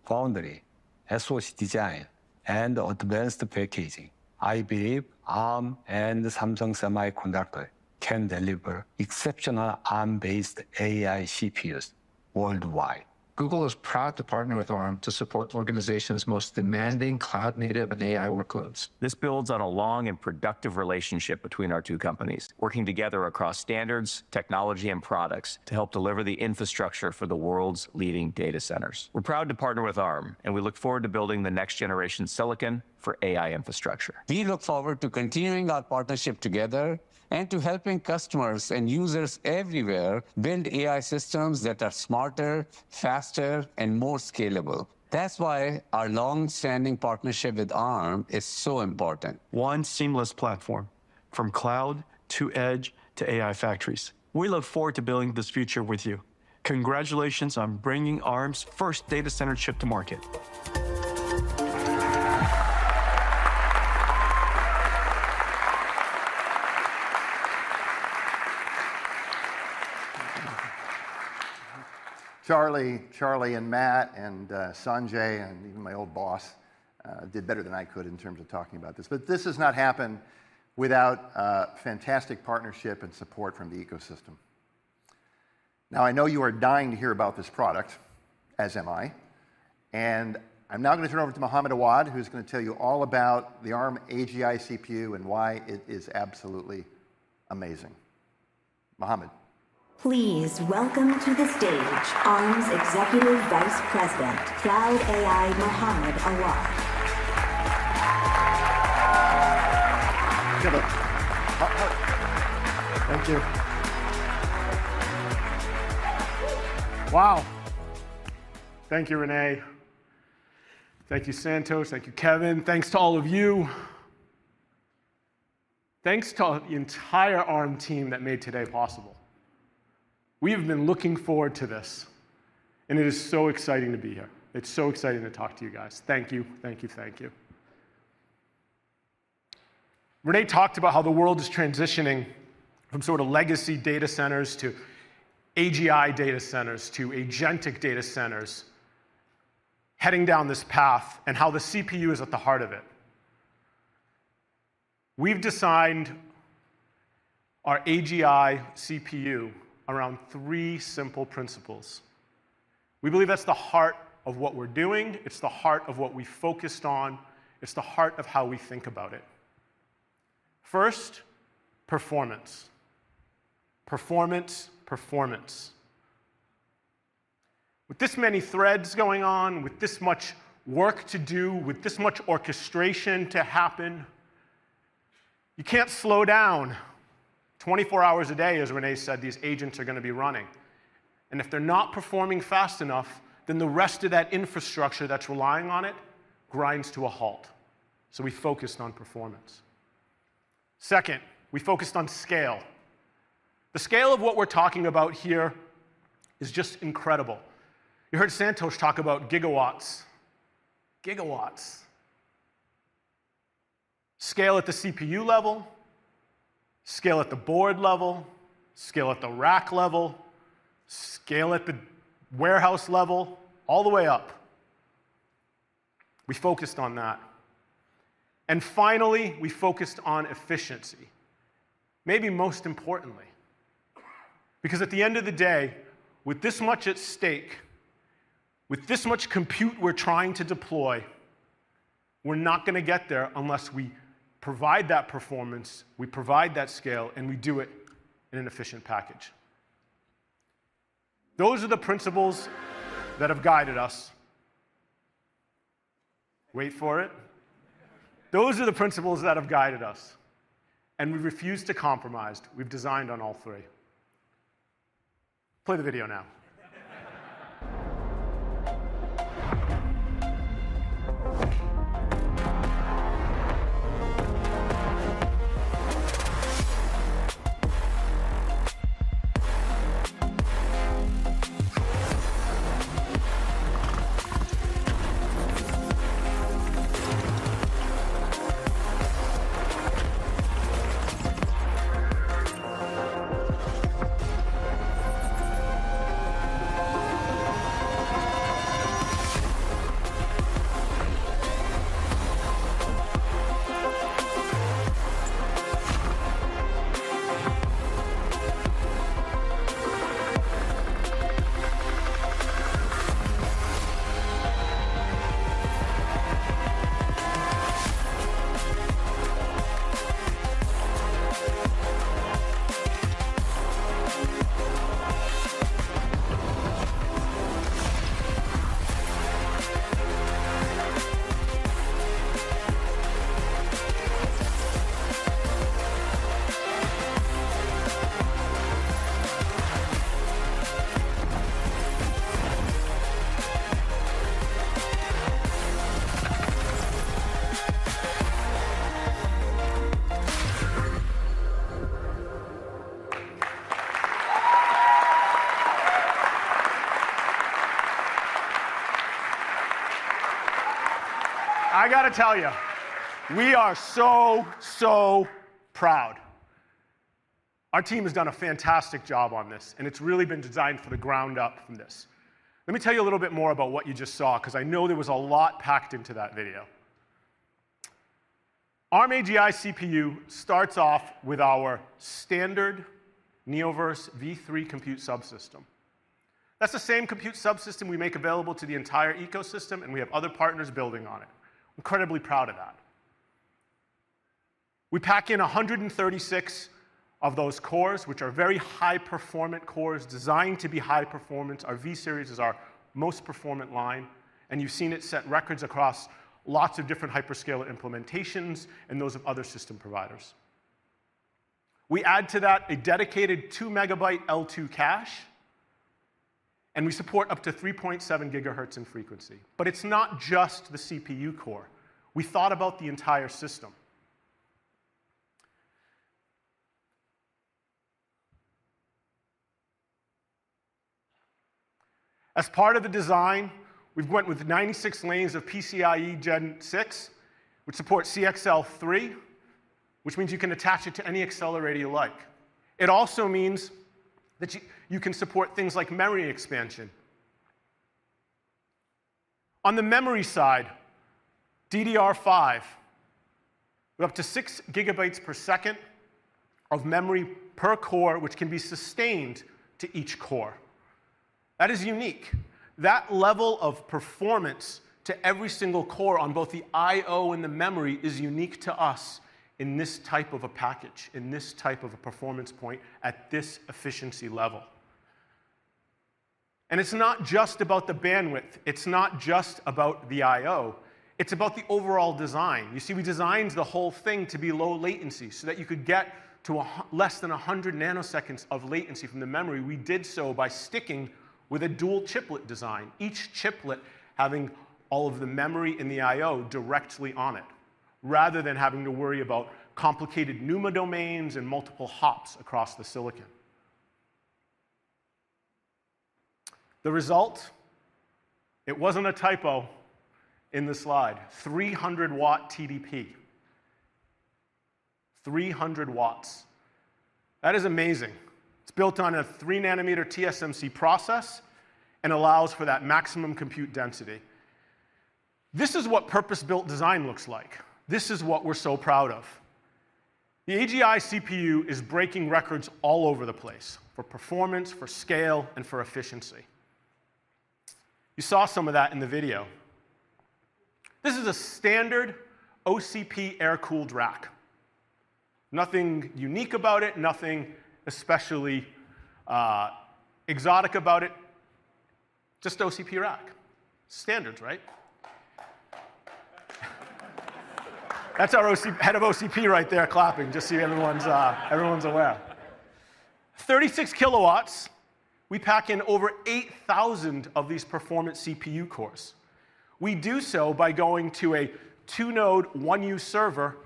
foundry, SoC design, and advanced packaging, I believe Arm and Samsung Semiconductor can deliver exceptional Arm-based AI CPUs worldwide. Google is proud to partner with Arm to support organizations' most demanding cloud-native and AI workloads. This builds on a long and productive relationship between our two companies, working together across standards, technology, and products to help deliver the infrastructure for the world's leading data centers. We're proud to partner with Arm, and we look forward to building the next-generation silicon for AI infrastructure. We look forward to continuing our partnership together and to helping customers and users everywhere build AI systems that are smarter, faster, and more scalable. That's why our long-standing partnership with Arm is so important. One seamless platform from cloud to edge to AI factories. We look forward to building this future with you. Congratulations on bringing Arm's first data center chip to market. Charlie and Matt and Sanjay, and even my old boss did better than I could in terms of talking about this. This has not happened without a fantastic partnership and support from the ecosystem. Now, I know you are dying to hear about this product, as am I. I'm now gonna turn it over to Mohammed Awad, who's gonna tell you all about the Arm AGI CPU and why it is absolutely amazing. Mohammed. Please welcome to the stage Arm's Executive Vice President, Cloud AI, Mohamed Awad. Kevin. Thank you. Wow. Thank you, Rene. Thank you, Santosh. Thank you, Kevin. Thanks to all of you. Thanks to the entire Arm team that made today possible. We have been looking forward to this, and it is so exciting to be here. It's so exciting to talk to you guys. Thank you, thank you, thank you. Rene talked about how the world is transitioning from sort of legacy data centers to AGI data centers, to agentic data centers, heading down this path, and how the CPU is at the heart of it. We've designed our AGI CPU around three simple principles. We believe that's the heart of what we're doing, it's the heart of what we focused on, it's the heart of how we think about it. First, performance. Performance, performance. With this many threads going on, with this much work to do, with this much orchestration to happen, you can't slow down. 24 hours a day, as Rene said, these agents are gonna be running, and if they're not performing fast enough, then the rest of that infrastructure that's relying on it grinds to a halt. We focused on performance. Second, we focused on scale. The scale of what we're talking about here is just incredible. You heard Santosh talk about gigawatts. Gigawatts. Scale at the CPU level, scale at the board level, scale at the rack level, scale at the warehouse level, all the way up. We focused on that. Finally, we focused on efficiency. Maybe most importantly. Because at the end of the day, with this much at stake, with this much compute we're trying to deploy, we're not gonna get there unless we provide that performance, we provide that scale, and we do it in an efficient package. Those are the principles that have guided us. Wait for it. Those are the principles that have guided us, and we refuse to compromise. We've designed on all three. Play the video now. I gotta tell you, we are so proud. Our team has done a fantastic job on this, and it's really been designed from the ground up from this. Let me tell you a little bit more about what you just saw, 'cause I know there was a lot packed into that video. Arm AGI CPU starts off with our standard Neoverse V3 Compute Subsystem. That's the same compute subsystem we make available to the entire ecosystem, and we have other partners building on it. Incredibly proud of that. We pack in 136 of those cores, which are very high-performant cores designed to be high performance. Our V-series is our most performant line, and you've seen it set records across lots of different hyperscaler implementations and those of other system providers. We add to that a dedicated 2 MB L2 cache, and we support up to 3.7 GHz in frequency. It's not just the CPU core. We thought about the entire system. As part of the design, we've went with 96 lanes of PCIe Gen 6, which supports CXL 3.0, which means you can attach it to any accelerator you like. It also means that you can support things like memory expansion. On the memory side, DDR5 with up to 6 GB per second of memory per core, which can be sustained to each core. That is unique. That level of performance to every single core on both the IO and the memory is unique to us in this type of a package, in this type of a performance point, at this efficiency level. It's not just about the bandwidth, it's not just about the IO, it's about the overall design. You see, we designed the whole thing to be low latency so that you could get to less than 100 nanoseconds of latency from the memory. We did so by sticking with a dual chiplet design, each chiplet having all of the memory and the IO directly on it, rather than having to worry about complicated NUMA domains and multiple hops across the silicon. The result, it wasn't a typo in the slide. 300-watt TDP. 300 watts. That is amazing. It's built on a 3 nm TSMC process and allows for that maximum compute density. This is what purpose-built design looks like. This is what we're so proud of. The AGI CPU is breaking records all over the place for performance, for scale, and for efficiency. You saw some of that in the video. This is a standard OCP air-cooled rack. Nothing unique about it, nothing especially exotic about it, just OCP rack. Standards, right? That's our head of OCP right there clapping, just so everyone's aware. 36 kW, we pack in over 8,000 of these performance CPU cores. We do so by going to a two-node, 1U server,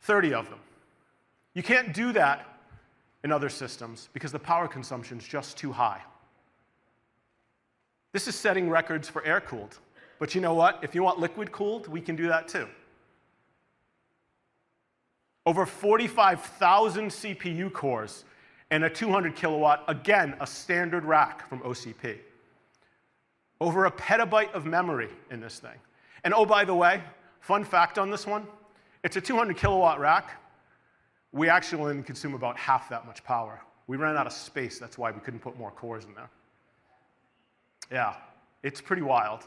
30 of them. You can't do that in other systems because the power consumption's just too high. This is setting records for air-cooled. You know what? If you want liquid-cooled, we can do that too. Over 45,000 CPU cores and a 200 kW, again, a standard rack from OCP. Over a petabyte of memory in this thing. Oh, by the way, fun fact on this one, it's a 200 kW rack. We actually only consume about half that much power. We ran out of space, that's why we couldn't put more cores in there. Yeah, it's pretty wild.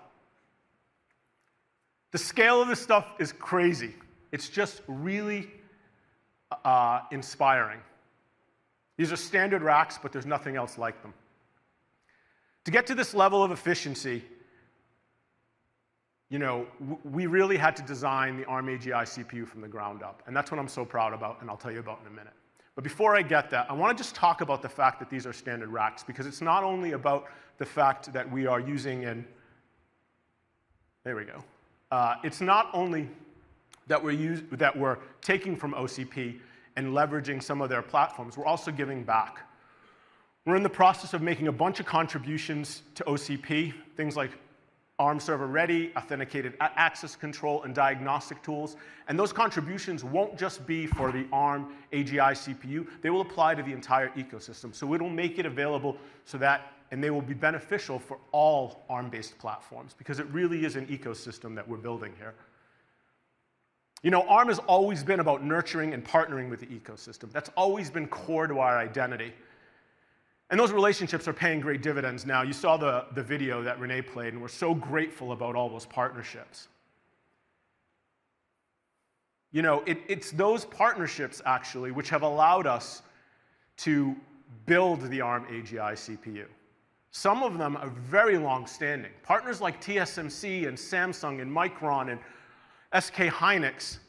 The scale of this stuff is crazy. It's just really inspiring. These are standard racks, but there's nothing else like them. To get to this level of efficiency, you know, we really had to design the Arm AGI CPU from the ground up, and that's what I'm so proud about, and I'll tell you about in a minute. I wanna just talk about the fact that these are standard racks because it's not only that we're taking from OCP and leveraging some of their platforms, we're also giving back. We're in the process of making a bunch of contributions to OCP, things like Arm ServerReady, authenticated access control, and diagnostic tools, and those contributions won't just be for the Arm AGI CPU, they will apply to the entire ecosystem. We will make it available so that and they will be beneficial for all Arm-based platforms because it really is an ecosystem that we're building here. You know, Arm has always been about nurturing and partnering with the ecosystem. That's always been core to our identity, and those relationships are paying great dividends now. You saw the video that Rene played, and we're so grateful about all those partnerships. You know, it's those partnerships actually which have allowed us to build the Arm AGI CPU. Some of them are very long-standing. Partners like TSMC and Samsung and Micron and SK Hynix,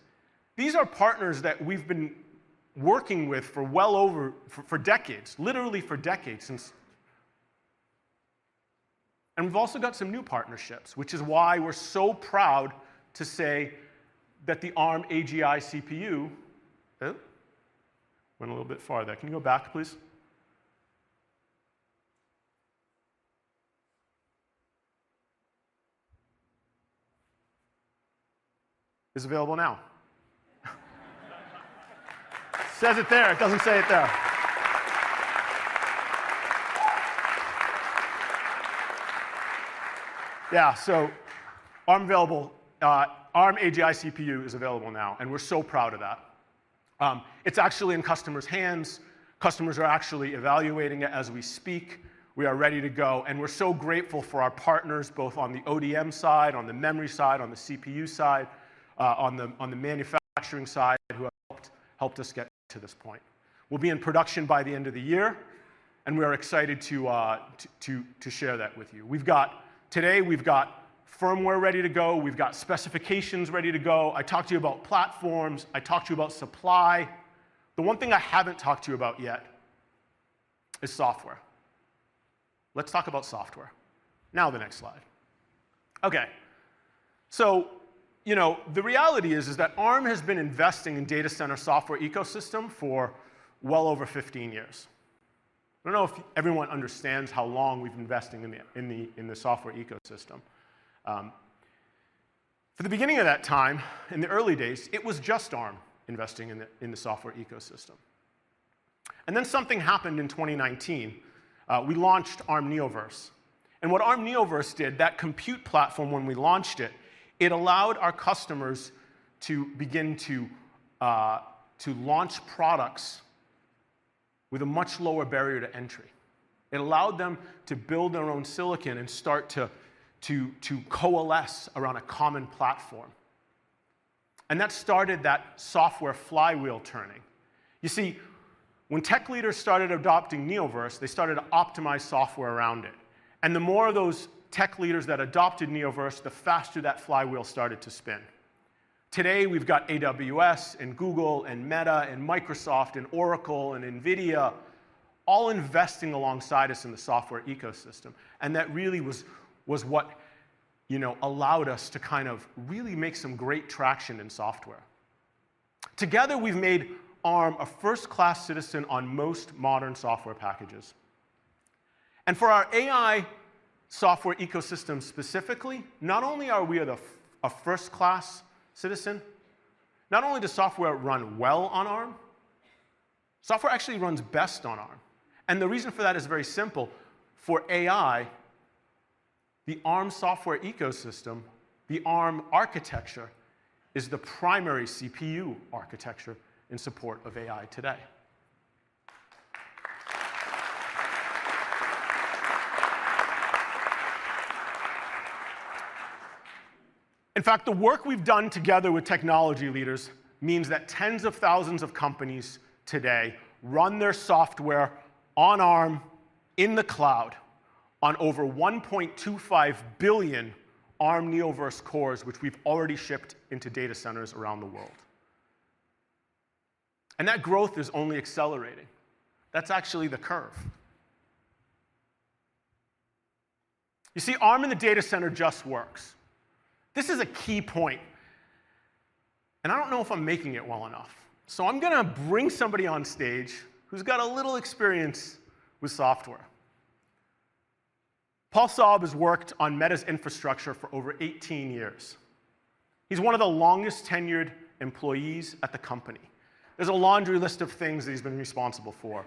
these are partners that we've been working with for well over for decades, literally for decades. We've also got some new partnerships, which is why we're so proud to say that the Arm AGI CPU is available now. Oh, went a little bit far there. Can you go back, please? Says it there. It doesn't say it there. Yeah, so Arm available, Arm AGI CPU is available now, and we're so proud of that. It's actually in customers' hands. Customers are actually evaluating it as we speak. We are ready to go, and we're so grateful for our partners, both on the ODM side, on the memory side, on the CPU side, on the manufacturing side, who have helped us get to this point. We'll be in production by the end of the year, and we are excited to share that with you. Today, we've got firmware ready to go. We've got specifications ready to go. I talked to you about platforms. I talked to you about supply. The one thing I haven't talked to you about yet is software. Let's talk about software. Now the next slide. Okay. You know, the reality is that Arm has been investing in data center software ecosystem for well over 15 years. I don't know if everyone understands how long we've investing in the software ecosystem. For the beginning of that time, in the early days, it was just Arm investing in the software ecosystem. Then something happened in 2019. We launched Arm Neoverse. What Arm Neoverse did, that compute platform when we launched it allowed our customers to begin to launch products with a much lower barrier to entry. It allowed them to build their own silicon and start to coalesce around a common platform. That started that software flywheel turning. You see, when tech leaders started adopting Neoverse, they started to optimize software around it. The more of those tech leaders that adopted Neoverse, the faster that flywheel started to spin. Today, we've got AWS, and Google, and Meta, and Microsoft, and Oracle, and Nvidia all investing alongside us in the software ecosystem, and that really was what, you know, allowed us to kind of really make some great traction in software. Together, we've made Arm a first-class citizen on most modern software packages. For our AI software ecosystem specifically, not only are we a first-class citizen, not only does software run well on Arm, software actually runs best on Arm, and the reason for that is very simple. For AI, the Arm software ecosystem, the Arm architecture is the primary CPU architecture in support of AI today. In fact, the work we've done together with technology leaders means that tens of thousands of companies today run their software on Arm in the cloud on over 1.25 billion Arm Neoverse cores, which we've already shipped into data centers around the world. That growth is only accelerating. That's actually the curve. You see, Arm in the data center just works. This is a key point, and I don't know if I'm making it well enough. I'm gonna bring somebody on stage who's got a little experience with software. Paul Saab has worked on Meta's infrastructure for over 18 years. He's one of the longest-tenured employees at the company. There's a laundry list of things that he's been responsible for,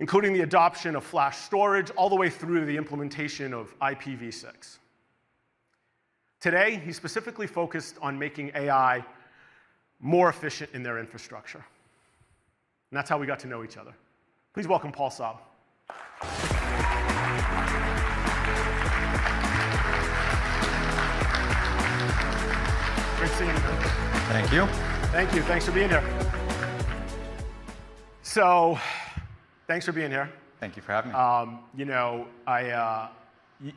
including the adoption of flash storage all the way through to the implementation of IPv6. Today, he's specifically focused on making AI more efficient in their infrastructure, and that's how we got to know each other. Please welcome Paul Saab. Great seeing you, man. Thank you. Thank you. Thanks for being here. Thank you for having me.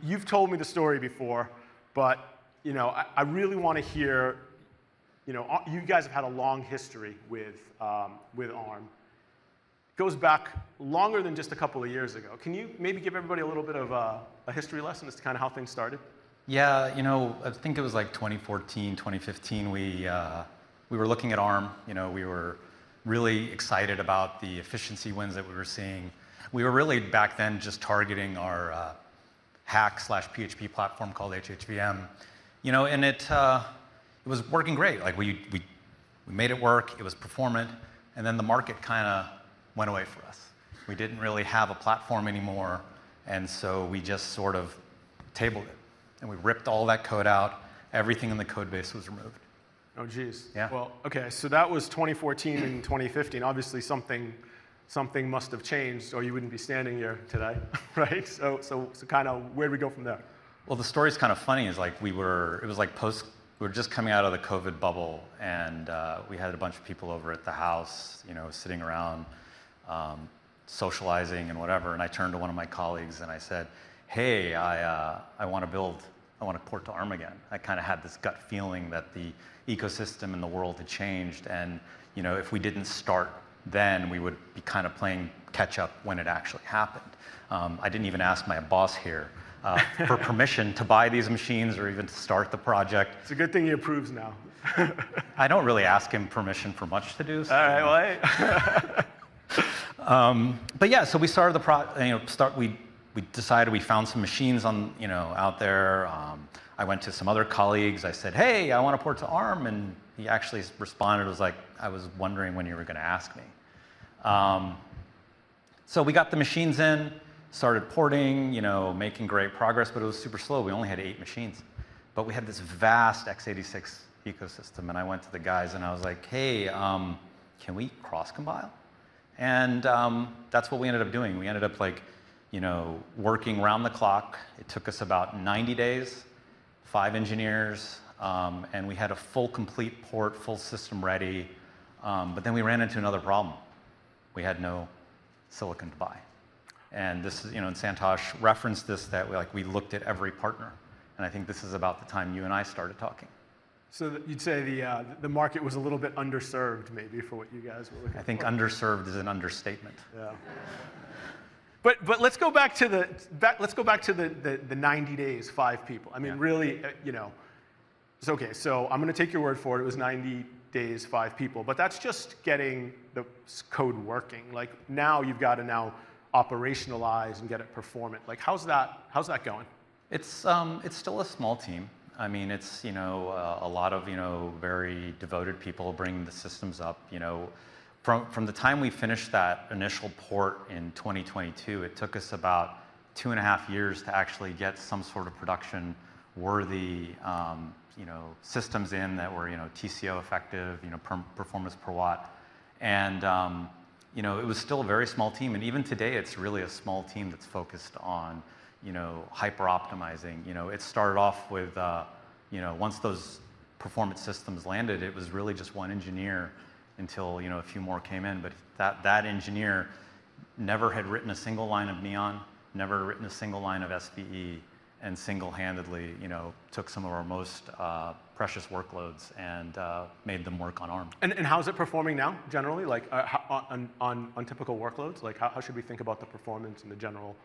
You've told me the story before, but, you know, I really wanna hear, you know, you guys have had a long history with Arm. It goes back longer than just a couple of years ago. Can you maybe give everybody a little bit of a history lesson as to kinda how things started? Yeah. You know, I think it was like 2014, 2015, we were looking at Arm. You know, we were really excited about the efficiency wins that we were seeing. We were really back then just targeting our Hack/PHP platform called HHVM. You know, it was working great. Like, we made it work, it was performant, and then the market kinda went away for us. We didn't really have a platform anymore, and so we just sort of tabled it, and we ripped all that code out. Everything in the code base was removed. Oh, geez. Yeah. Well, okay, that was 2014 and 2015. Obviously, something must have changed or you wouldn't be standing here today, right? Kinda where did we go from there? Well, the story's kinda funny. It was like post-COVID bubble, and we had a bunch of people over at the house, you know, sitting around, socializing and whatever, and I turned to one of my colleagues and I said, "Hey, I wanna port to Arm again." I kinda had this gut feeling that the ecosystem and the world had changed, and, you know, if we didn't start then, we would be kinda playing catch up when it actually happened. I didn't even ask my boss here for permission to buy these machines or even to start the project. It's a good thing he approves now. I don't really ask him permission for much to do, so. All right. Well. We found some machines out there. I went to some other colleagues. I said, "Hey, I wanna port to Arm," and he actually responded, "I was wondering when you were gonna ask me." We got the machines in, started porting, you know, making great progress, but it was super slow. We only had 8 machines. We had this vast x86 ecosystem, and I went to the guys and I was like, "Hey, can we cross-compile?" That's what we ended up doing. We ended up like, you know, working round the clock. It took us about 90 days, five engineers, and we had a full complete port, full system ready, but then we ran into another problem. We had no silicon to buy. This is, you know, and Santhosh referenced this, that like we looked at every partner, and I think this is about the time you and I started talking. You'd say the market was a little bit underserved maybe for what you guys were looking for. I think underserved is an understatement. Let's go back to the 90 days, 5 people. Yeah. I mean, really, you know, it's. Okay, I'm gonna take your word for it. It was 90 days, five people, but that's just getting the source code working. Like, now you've gotta operationalize and get it performant. Like, how's that going? It's still a small team. I mean, it's, you know, a lot of, you know, very devoted people bringing the systems up. You know, from the time we finished that initial port in 2022, it took us about two and a half years to actually get some sort of production-worthy, you know, systems in that were, you know, TCO-effective, you know, performance per watt. You know, it was still a very small team, and even today it's really a small team that's focused on, you know, hyper-optimizing. You know, it started off with, you know, once those performance systems landed, it was really just one engineer until, you know, a few more came in. That engineer never had written a single line of NEON, never written a single line of SVE, and single-handedly, you know, took some of our most precious workloads and made them work on Arm. How is it performing now, generally? Like, on typical workloads? Like, how should we think about the performance in the general.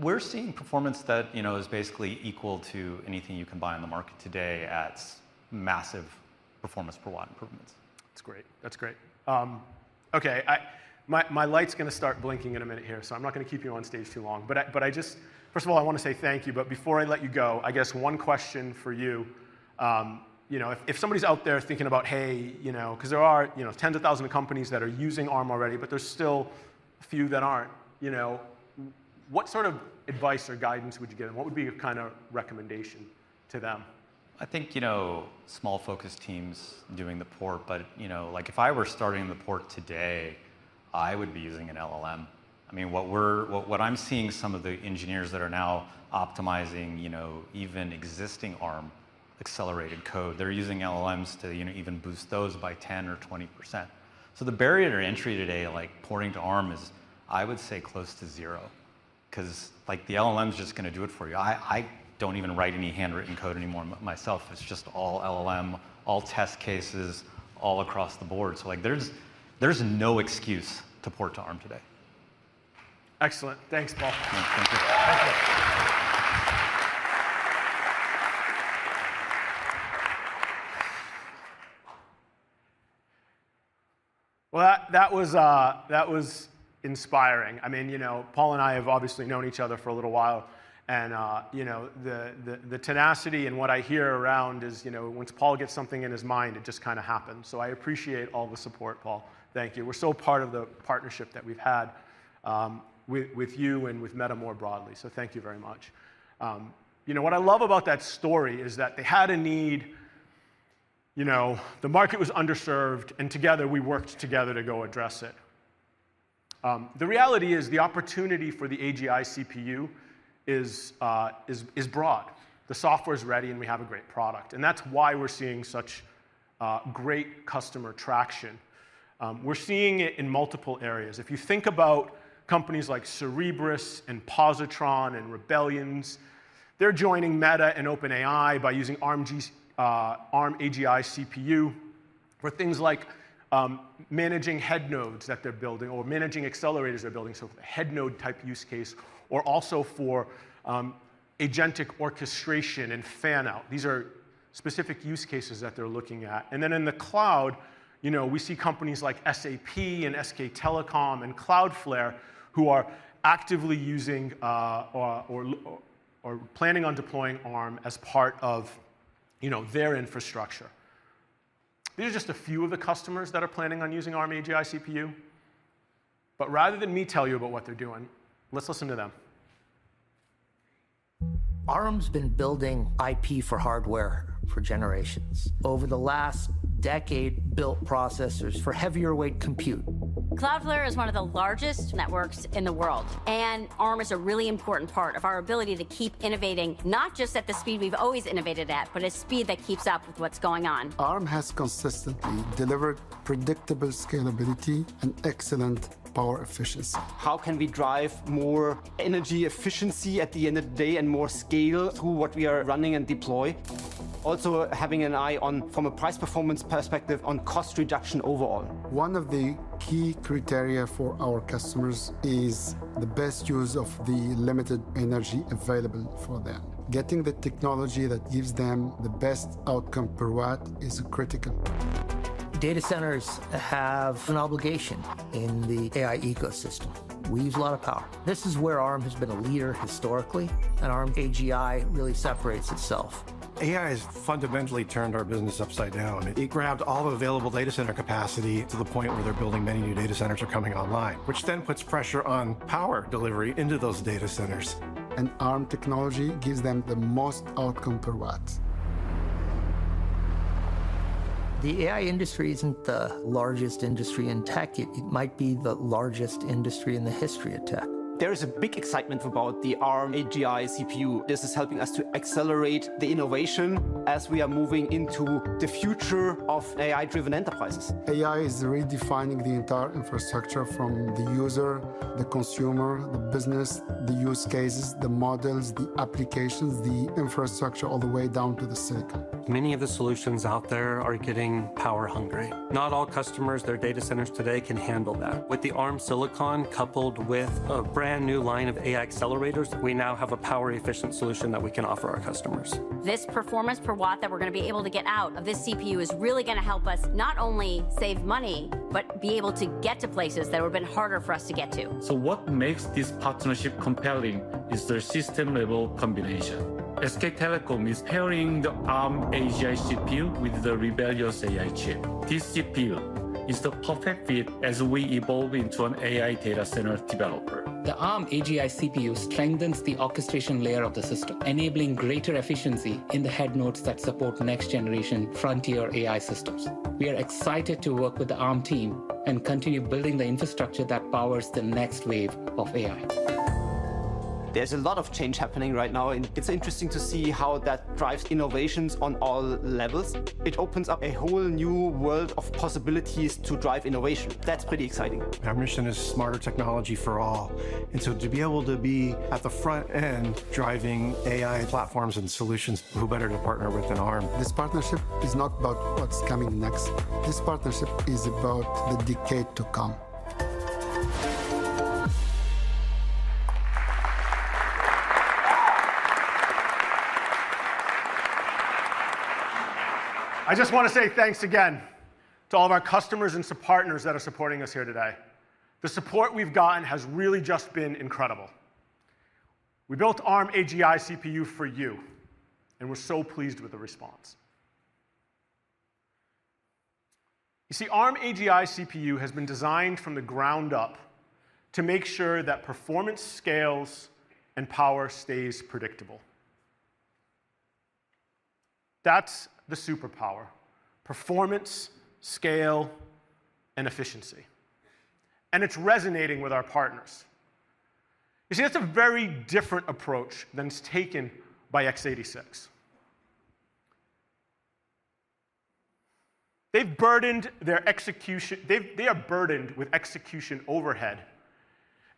We're seeing performance that, you know, is basically equal to anything you can buy on the market today at massive performance per watt improvements. That's great. Okay, my light's gonna start blinking in a minute here, so I'm not gonna keep you on stage too long. I just, first of all, wanna say thank you, but before I let you go, I guess one question for you know, if somebody's out there thinking about, hey, you know, 'cause there are, you know, tens of thousands of companies that are using Arm already, but there's still a few that aren't, you know, what sort of advice or guidance would you give them? What would be your kind of recommendation to them? I think, you know, small focused teams doing the port, but, you know, like, if I were starting the port today, I would be using an LLM. I mean, what I'm seeing some of the engineers that are now optimizing, you know, even existing Arm accelerated code, they're using LLMs to, you know, even boost those by 10% or 20%. So the barrier to entry today, like, porting to Arm is, I would say, close to zero, 'cause, like, the LLM's just gonna do it for you. I don't even write any handwritten code anymore myself. It's just all LLM, all test cases, all across the board. So, like, there's no excuse to port to Arm today. Excellent. Thanks, Paul. Yeah. Thank you. Thank you. Well, that was inspiring. I mean, you know, Paul and I have obviously known each other for a little while and, you know, the tenacity and what I hear around is, you know, once Paul gets something in his mind, it just kinda happens. I appreciate all the support, Paul. Thank you. We're still part of the partnership that we've had, with you and with Meta more broadly, so thank you very much. You know, what I love about that story is that they had a need, you know, the market was underserved, and together we worked together to go address it. The reality is the opportunity for the AGI CPU is broad. The software's ready, and we have a great product, and that's why we're seeing such great customer traction. We're seeing it in multiple areas. If you think about companies like Cerebras and Positron and Rebellions, they're joining Meta and OpenAI by using Arm AGI CPU for things like managing head nodes that they're building or managing accelerators they're building, so head node type use case, or also for agentic orchestration and fan-out. These are specific use cases that they're looking at. Then in the cloud, you know, we see companies like SAP and SK Telecom and Cloudflare who are actively using or planning on deploying Arm as part of, you know, their infrastructure. These are just a few of the customers that are planning on using Arm AGI CPU, but rather than me tell you about what they're doing, let's listen to them. Arm's been building IP for hardware for generations. Over the last decade, we built processors for heavyweight compute. Cloudflare is one of the largest networks in the world, and Arm is a really important part of our ability to keep innovating, not just at the speed we've always innovated at, but a speed that keeps up with what's going on. Arm has consistently delivered predictable scalability and excellent power efficiency. How can we drive more energy efficiency at the end of the day and more scale to what we are running and deploy? Also, having an eye on, from a price-performance perspective, on cost reduction overall. One of the key criteria for our customers is the best use of the limited energy available for them. Getting the technology that gives them the best outcome per watt is critical. Data centers have an obligation in the AI ecosystem. We use a lot of power. This is where Arm has been a leader historically, and Arm AGI really separates itself. AI has fundamentally turned our business upside down. It grabbed all the available data center capacity to the point where they're building many new data centers are coming online, which then puts pressure on power delivery into those data centers. Arm technology gives them the most outcome per watt. The AI industry isn't the largest industry in tech. It might be the largest industry in the history of tech. There is a big excitement about the Arm AGI CPU. This is helping us to accelerate the innovation as we are moving into the future of AI-driven enterprises. AI is redefining the entire infrastructure from the user, the consumer, the business, the use cases, the models, the applications, the infrastructure, all the way down to the silicon. Many of the solutions out there are getting power hungry. Not all customers' data centers today can handle that. With the Arm silicon coupled with a brand-new line of AI accelerators, we now have a power-efficient solution that we can offer our customers. This performance per watt that we're gonna be able to get out of this CPU is really gonna help us not only save money, but be able to get to places that have been harder for us to get to. What makes this partnership compelling is their system-level combination. SK Telecom is pairing the Arm AGI CPU with the Rebellions AI chip. This CPU is the perfect fit as we evolve into an AI data center developer. The Arm AGI CPU strengthens the orchestration layer of the system, enabling greater efficiency in the head nodes that support next-generation frontier AI systems. We are excited to work with the Arm team and continue building the infrastructure that powers the next wave of AI. There's a lot of change happening right now, and it's interesting to see how that drives innovations on all levels. It opens up a whole new world of possibilities to drive innovation. That's pretty exciting. Our mission is smarter technology for all, and so to be able to be at the front end driving AI platforms and solutions, who better to partner with than Arm? This partnership is not about what's coming next. This partnership is about the decade to come. I just wanna say thanks again to all of our customers and to partners that are supporting us here today. The support we've gotten has really just been incredible. We built Arm AGI CPU for you, and we're so pleased with the response. You see, Arm AGI CPU has been designed from the ground up to make sure that performance scales and power stays predictable. That's the superpower, performance, scale, and efficiency, and it's resonating with our partners. You see, that's a very different approach than is taken by x86. They are burdened with execution overhead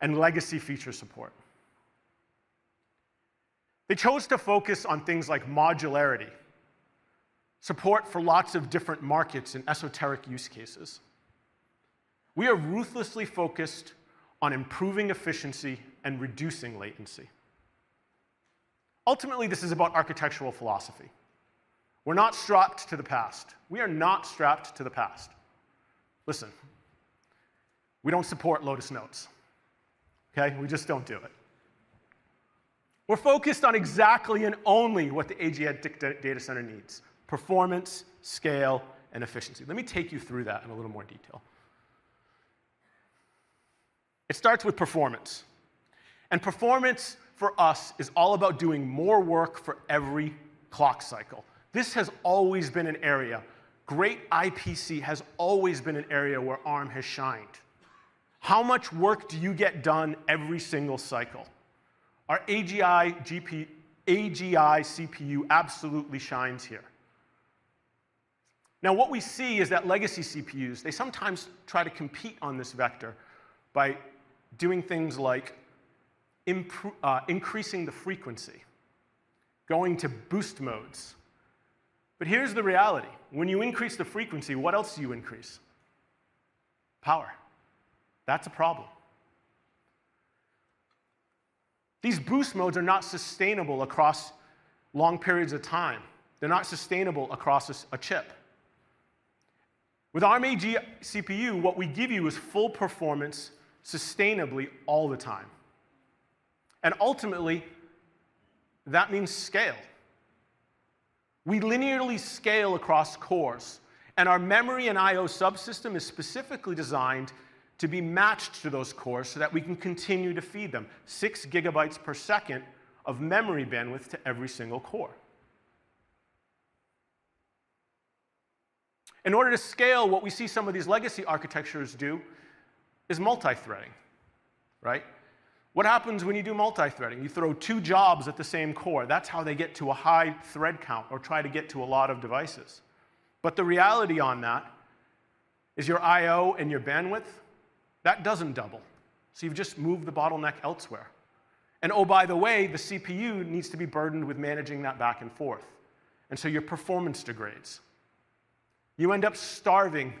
and legacy feature support. They chose to focus on things like modularity, support for lots of different markets and esoteric use cases. We are ruthlessly focused on improving efficiency and reducing latency. Ultimately, this is about architectural philosophy. We're not strapped to the past. We are not strapped to the past. Listen, we don't support Lotus Notes, okay? We just don't do it. We're focused on exactly and only what the AGI data center needs, performance, scale, and efficiency. Let me take you through that in a little more detail. It starts with performance, and performance for us is all about doing more work for every clock cycle. This has always been an area, great IPC has always been an area where Arm has shined. How much work do you get done every single cycle? Our AGI CPU absolutely shines here. Now what we see is that legacy CPUs, they sometimes try to compete on this vector by doing things like increasing the frequency, going to boost modes. Here's the reality. When you increase the frequency, what else do you increase? Power. That's a problem. These boost modes are not sustainable across long periods of time. They're not sustainable across a chip. With Arm AGI CPU, what we give you is full performance sustainably all the time, and ultimately, that means scale. We linearly scale across cores, and our memory and I/O subsystem is specifically designed to be matched to those cores so that we can continue to feed them 6 GB/s of memory bandwidth to every single core. In order to scale, what we see some of these legacy architectures do is multithreading, right? What happens when you do multithreading? You throw two jobs at the same core. That's how they get to a high thread count or try to get to a lot of devices. The reality on that is your I/O and your bandwidth, that doesn't double. You've just moved the bottleneck elsewhere. Oh, by the way, the CPU needs to be burdened with managing that back and forth, and so your performance degrades. You end up starving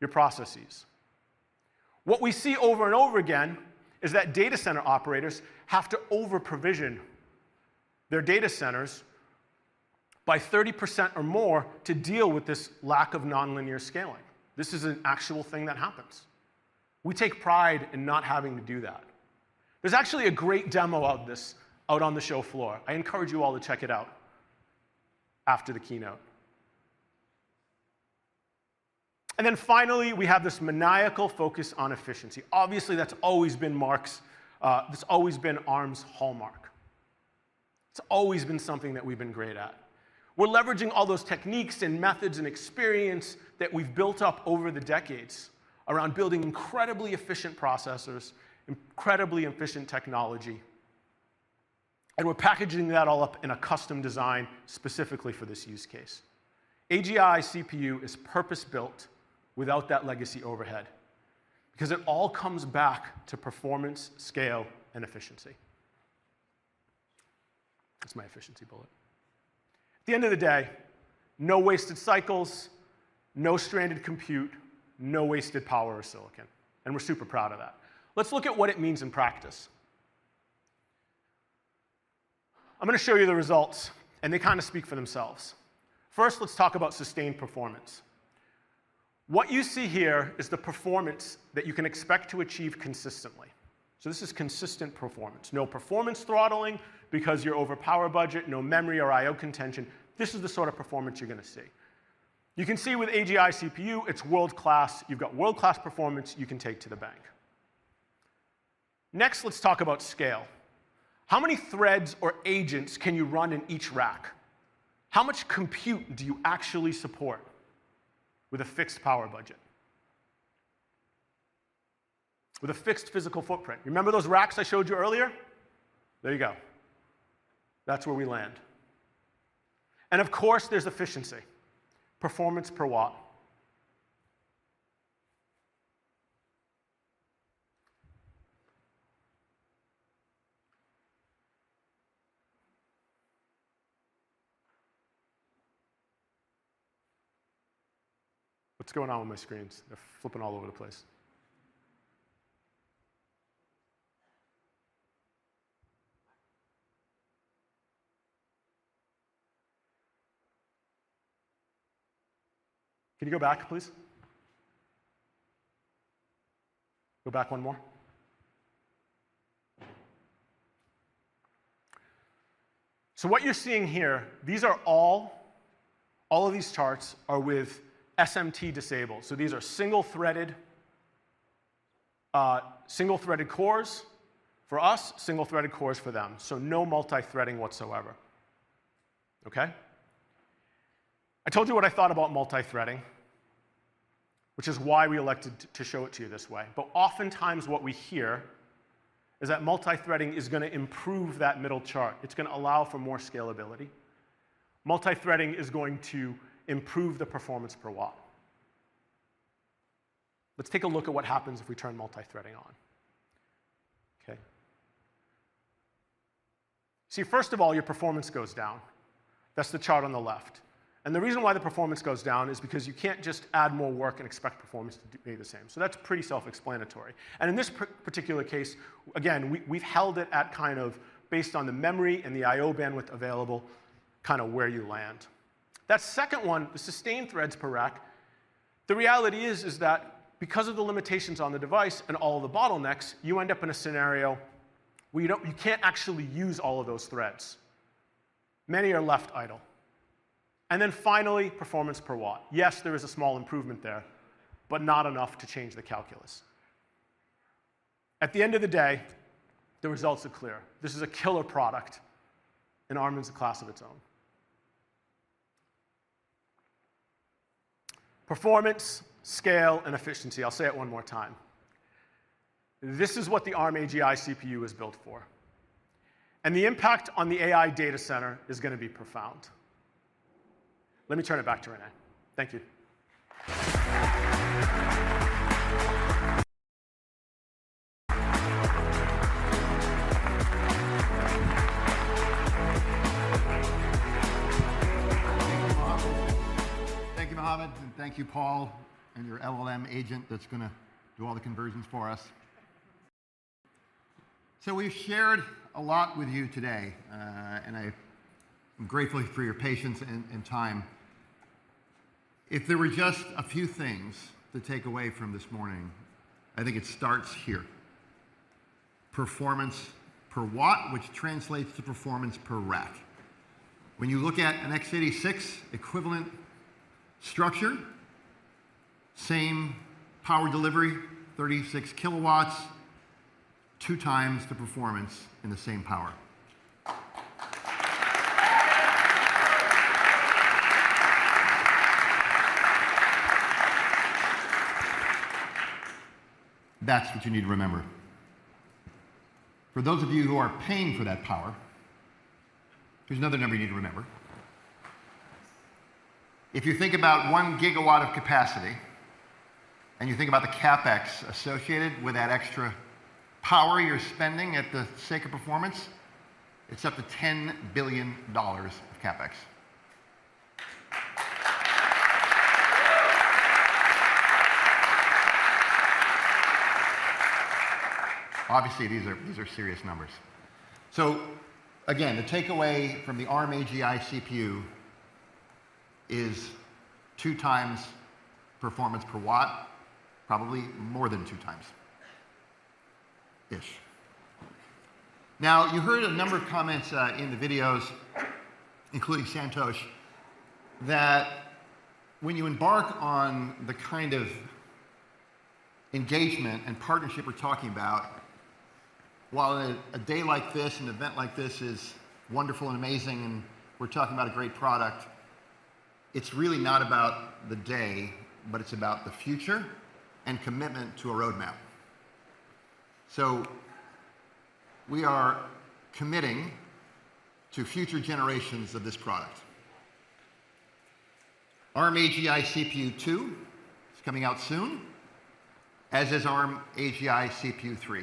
your processes. What we see over and over again is that data center operators have to overprovision their data centers by 30% or more to deal with this lack of nonlinear scaling. This is an actual thing that happens. We take pride in not having to do that. There's actually a great demo of this out on the show floor. I encourage you all to check it out after the keynote. Then finally, we have this maniacal focus on efficiency. Obviously, that's always been Arm's hallmark. It's always been something that we've been great at. We're leveraging all those techniques and methods and experience that we've built up over the decades around building incredibly efficient processors, incredibly efficient technology, and we're packaging that all up in a custom design specifically for this use case. AGI CPU is purpose-built without that legacy overhead because it all comes back to performance, scale, and efficiency. That's my efficiency bullet. At the end of the day, no wasted cycles, no stranded compute, no wasted power or silicon, and we're super proud of that. Let's look at what it means in practice. I'm gonna show you the results, and they kinda speak for themselves. First, let's talk about sustained performance. What you see here is the performance that you can expect to achieve consistently. So this is consistent performance. No performance throttling because you're over power budget, no memory or IO contention. This is the sort of performance you're gonna see. You can see with AGI CPU, it's world-class. You've got world-class performance you can take to the bank. Next, let's talk about scale. How many threads or agents can you run in each rack? How much compute do you actually support with a fixed power budget? With a fixed physical footprint? Remember those racks I showed you earlier? There you go. That's where we land. Of course, there's efficiency. Performance per watt. What's going on with my screens? They're flipping all over the place. Can you go back, please? Go back one more. What you're seeing here, these are all of these charts are with SMT disabled, so these are single-threaded cores for us, single-threaded cores for them, so no multithreading whatsoever. Okay? I told you what I thought about multithreading, which is why we elected to show it to you this way, but oftentimes what we hear is that multithreading is gonna improve that middle chart. It's gonna allow for more scalability. Multithreading is going to improve the performance per watt. Let's take a look at what happens if we turn multithreading on. Okay. See, first of all, your performance goes down. That's the chart on the left. The reason why the performance goes down is because you can't just add more work and expect performance to be the same. That's pretty self-explanatory. In this particular case, again, we've held it at kind of based on the memory and the IO bandwidth available, kinda where you land. That second one, the sustained threads per rack, the reality is that because of the limitations on the device and all of the bottlenecks, you end up in a scenario where you can't actually use all of those threads. Many are left idle. Finally, performance per watt. Yes, there is a small improvement there, but not enough to change the calculus. At the end of the day, the results are clear. This is a killer product, and Arm is a class of its own. Performance, scale, and efficiency. I'll say it one more time. This is what the Arm AGI CPU is built for, and the impact on the AI data center is gonna be profound. Let me turn it back to Rene. Thank you. Thank you, Mohammed. Thank you, Mohammed, and thank you, Paul, and your LLM agent that's gonna do all the conversions for us. We've shared a lot with you today, and I am grateful for your patience and time. If there were just a few things to take away from this morning, I think it starts here. Performance per watt, which translates to performance per rack. When you look at an x86 equivalent structure, same power delivery, 36 kW, 2x the performance in the same power. That's what you need to remember. For those of you who are paying for that power, there's another number you need to remember. If you think about 1 GW of capacity, and you think about the CapEx associated with that extra power you're spending for the sake of performance, it's up to $10 billion of CapEx. Obviously, these are serious numbers. Again, the takeaway from the Arm AGI CPU is 2x performance per watt, probably more than 2x, ish. Now, you heard a number of comments in the videos, including Santhosh, that when you embark on the kind of engagement and partnership we're talking about, while a day like this, an event like this is wonderful and amazing, and we're talking about a great product, it's really not about the day, but it's about the future and commitment to a roadmap. We are committing to future generations of this product. Arm AGI CPU 2 is coming out soon, as is Arm AGI CPU 3.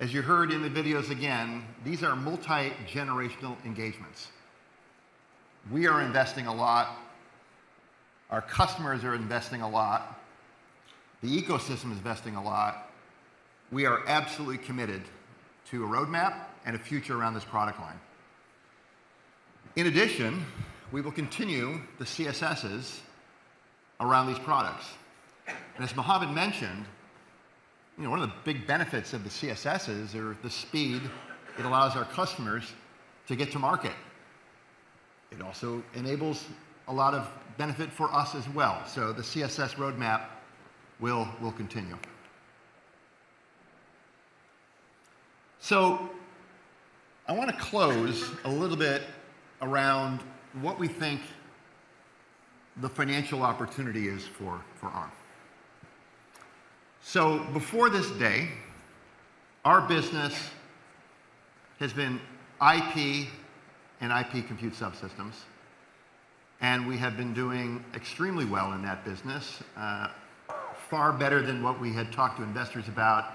As you heard in the videos again, these are multi-generational engagements. We are investing a lot. Our customers are investing a lot. The ecosystem is investing a lot. We are absolutely committed to a roadmap and a future around this product line. In addition, we will continue the CSSes around these products. As Mohammed mentioned, you know, one of the big benefits of the CSSes are the speed it allows our customers to get to market. It also enables a lot of benefit for us as well. The CSS roadmap will continue. I wanna close a little bit around what we think the financial opportunity is for Arm. Before this day, our business has been IP and IP compute subsystems, and we have been doing extremely well in that business, far better than what we had talked to investors about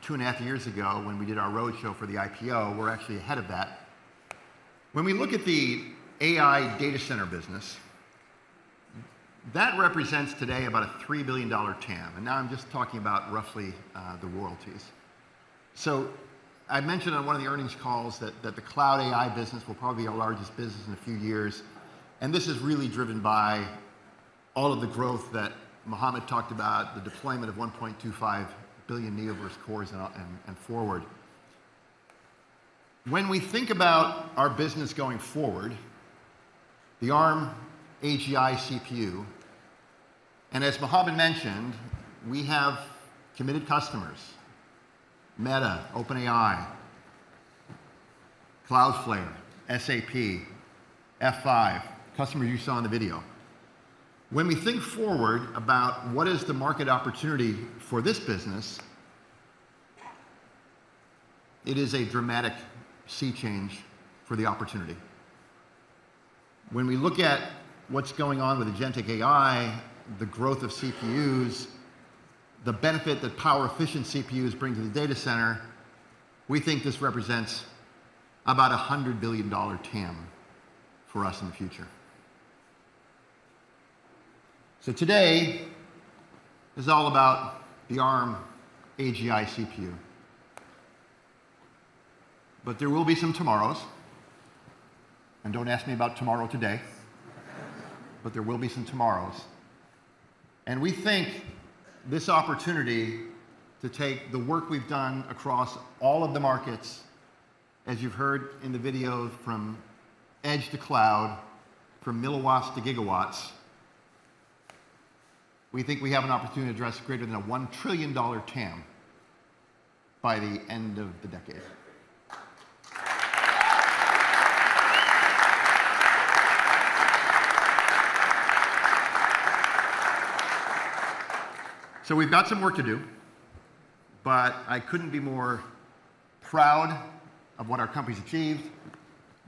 two and a half years ago when we did our roadshow for the IPO. We're actually ahead of that. When we look at the AI data center business, that represents today about a $3 billion TAM, and now I'm just talking about roughly the royalties. I mentioned on one of the earnings calls that the cloud AI business will probably be our largest business in a few years, and this is really driven by all of the growth that Mohammed talked about, the deployment of 1.25 billion Neoverse cores and forward. When we think about our business going forward, the Arm AGI CPU, and as Mohammed mentioned, we have committed customers, Meta, OpenAI, Cloudflare, SAP, F5, customers you saw in the video. When we think forward about what is the market opportunity for this business, it is a dramatic sea change for the opportunity. When we look at what's going on with agentic AI, the growth of CPUs, the benefit that power-efficient CPUs bring to the data center, we think this represents about $100 billion TAM for us in the future. Today is all about the Arm AGI CPU. There will be some tomorrows, and don't ask me about tomorrow today, but there will be some tomorrows. We think this opportunity to take the work we've done across all of the markets, as you've heard in the videos from edge to cloud, from milliwatts to gigawatts, we think we have an opportunity to address greater than a $1 trillion TAM by the end of the decade. We've got some work to do, but I couldn't be more proud of what our company's achieved,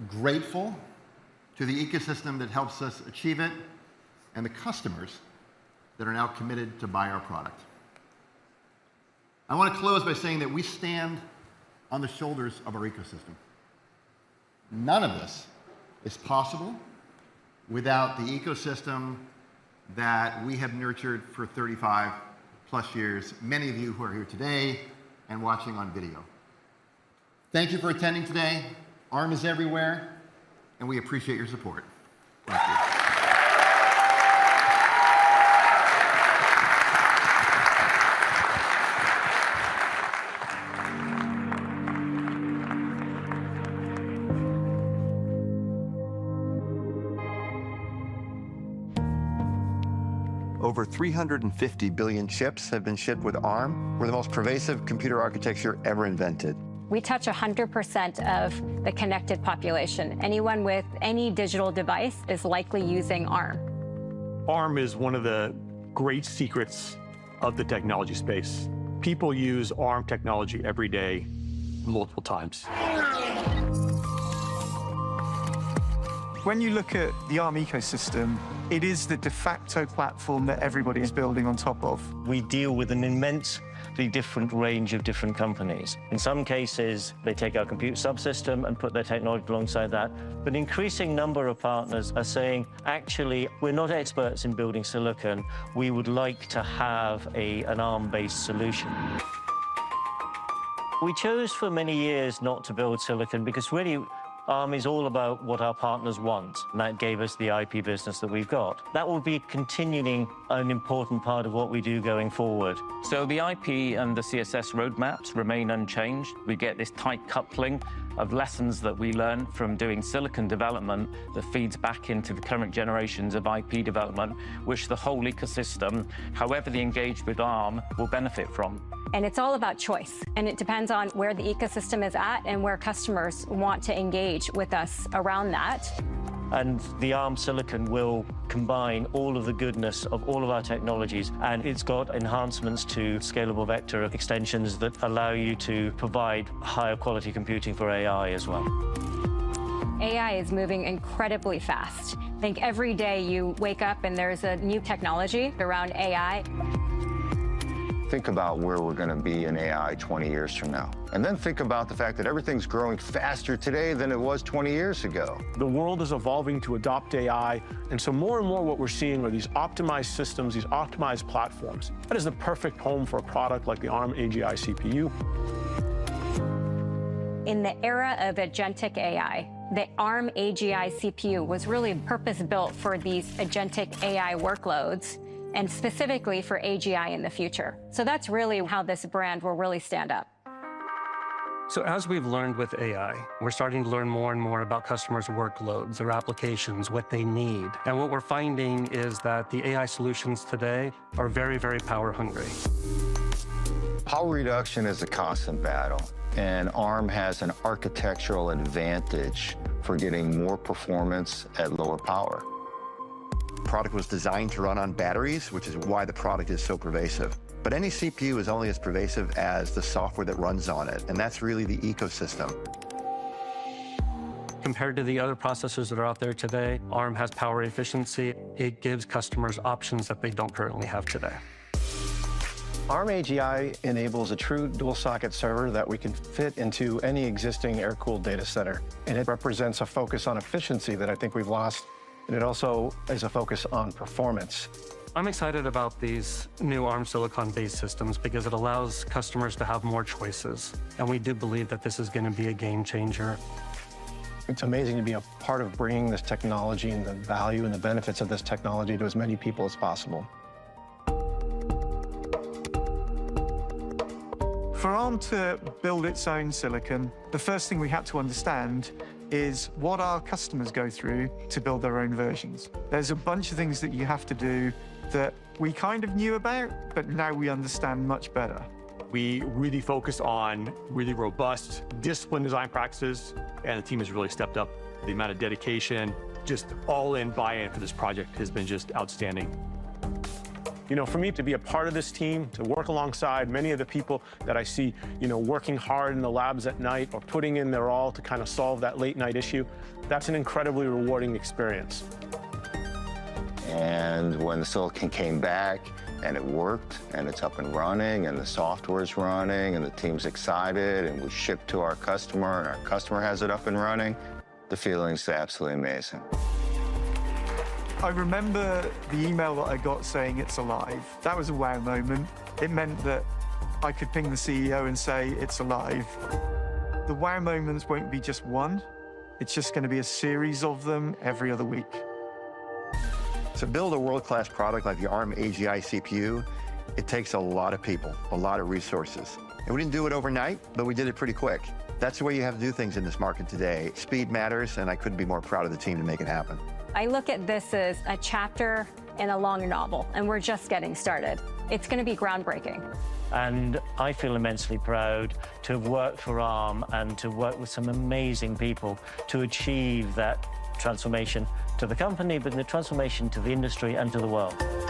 grateful to the ecosystem that helps us achieve it, and the customers that are now committed to buy our product. I wanna close by saying that we stand on the shoulders of our ecosystem. None of this is possible without the ecosystem that we have nurtured for 35+ years, many of you who are here today and watching on video. Thank you for attending today. Arm is everywhere, and we appreciate your support. Thank you. Over 350 billion chips have been shipped with Arm. We're the most pervasive computer architecture ever invented. We touch 100% of the connected population. Anyone with any digital device is likely using Arm. Arm is one of the great secrets of the technology space. People use Arm technology every day multiple times. When you look at the Arm ecosystem, it is the de facto platform that everybody is building on top of. We deal with an immensely different range of different companies. In some cases, they take our Compute Subsystem and put their technology alongside that. An increasing number of partners are saying, "Actually, we're not experts in building silicon. We would like to have an Arm-based solution. We chose for many years not to build silicon because really Arm is all about what our partners want. That gave us the IP business that we've got. That will be continuing an important part of what we do going forward. The IP and the CSS roadmaps remain unchanged. We get this tight coupling of lessons that we learn from doing silicon development that feeds back into the current generations of IP development, which the whole ecosystem, however they engage with Arm, will benefit from. It's all about choice, and it depends on where the ecosystem is at and where customers want to engage with us around that. The Arm silicon will combine all of the goodness of all of our technologies, and it's got enhancements to scalable vector extensions that allow you to provide higher quality computing for AI as well. AI is moving incredibly fast. I think every day you wake up and there's a new technology around AI. Think about where we're gonna be in AI 20 years from now, and then think about the fact that everything's growing faster today than it was 20 years ago. The world is evolving to adopt AI, and so more and more what we're seeing are these optimized systems, these optimized platforms. That is the perfect home for a product like the Arm AGI CPU. In the era of agentic AI, the Arm AGI CPU was really purpose-built for these agentic AI workloads and specifically for AGI in the future. That's really how this brand will really stand up. As we've learned with AI, we're starting to learn more and more about customers' workloads, their applications, what they need. What we're finding is that the AI solutions today are very, very power hungry. Power reduction is a constant battle, and Arm has an architectural advantage for getting more performance at lower power. The product was designed to run on batteries, which is why the product is so pervasive. Any CPU is only as pervasive as the software that runs on it, and that's really the ecosystem. Compared to the other processors that are out there today, Arm has power efficiency. It gives customers options that they don't currently have today. Arm AGI enables a true dual-socket server that we can fit into any existing air-cooled data center, and it represents a focus on efficiency that I think we've lost, and it also is a focus on performance. I'm excited about these new Arm silicon-based systems because it allows customers to have more choices, and we do believe that this is gonna be a game changer. It's amazing to be a part of bringing this technology and the value and the benefits of this technology to as many people as possible. For Arm to build its own silicon, the first thing we had to understand is what our customers go through to build their own versions. There's a bunch of things that you have to do that we kind of knew about, but now we understand much better. We really focus on really robust discipline design practices, and the team has really stepped up the amount of dedication, just all-in buy-in for this project has been just outstanding. You know, for me to be a part of this team, to work alongside many of the people that I see, you know, working hard in the labs at night or putting in their all to kind of solve that late-night issue, that's an incredibly rewarding experience. When the silicon came back and it worked and it's up and running and the software's running and the team's excited and we ship to our customer and our customer has it up and running, the feeling's absolutely amazing. I remember the email that I got saying it's alive. That was a wow moment. It meant that I could ping the CEO and say, "It's alive." The wow moments won't be just one. It's just gonna be a series of them every other week. To build a world-class product like the Arm AGI CPU, it takes a lot of people, a lot of resources, and we didn't do it overnight, but we did it pretty quick. That's the way you have to do things in this market today. Speed matters, and I couldn't be more proud of the team to make it happen. I look at this as a chapter in a longer novel, and we're just getting started. It's gonna be groundbreaking. I feel immensely proud to have worked for Arm and to work with some amazing people to achieve that transformation to the company, but the transformation to the industry and to the world.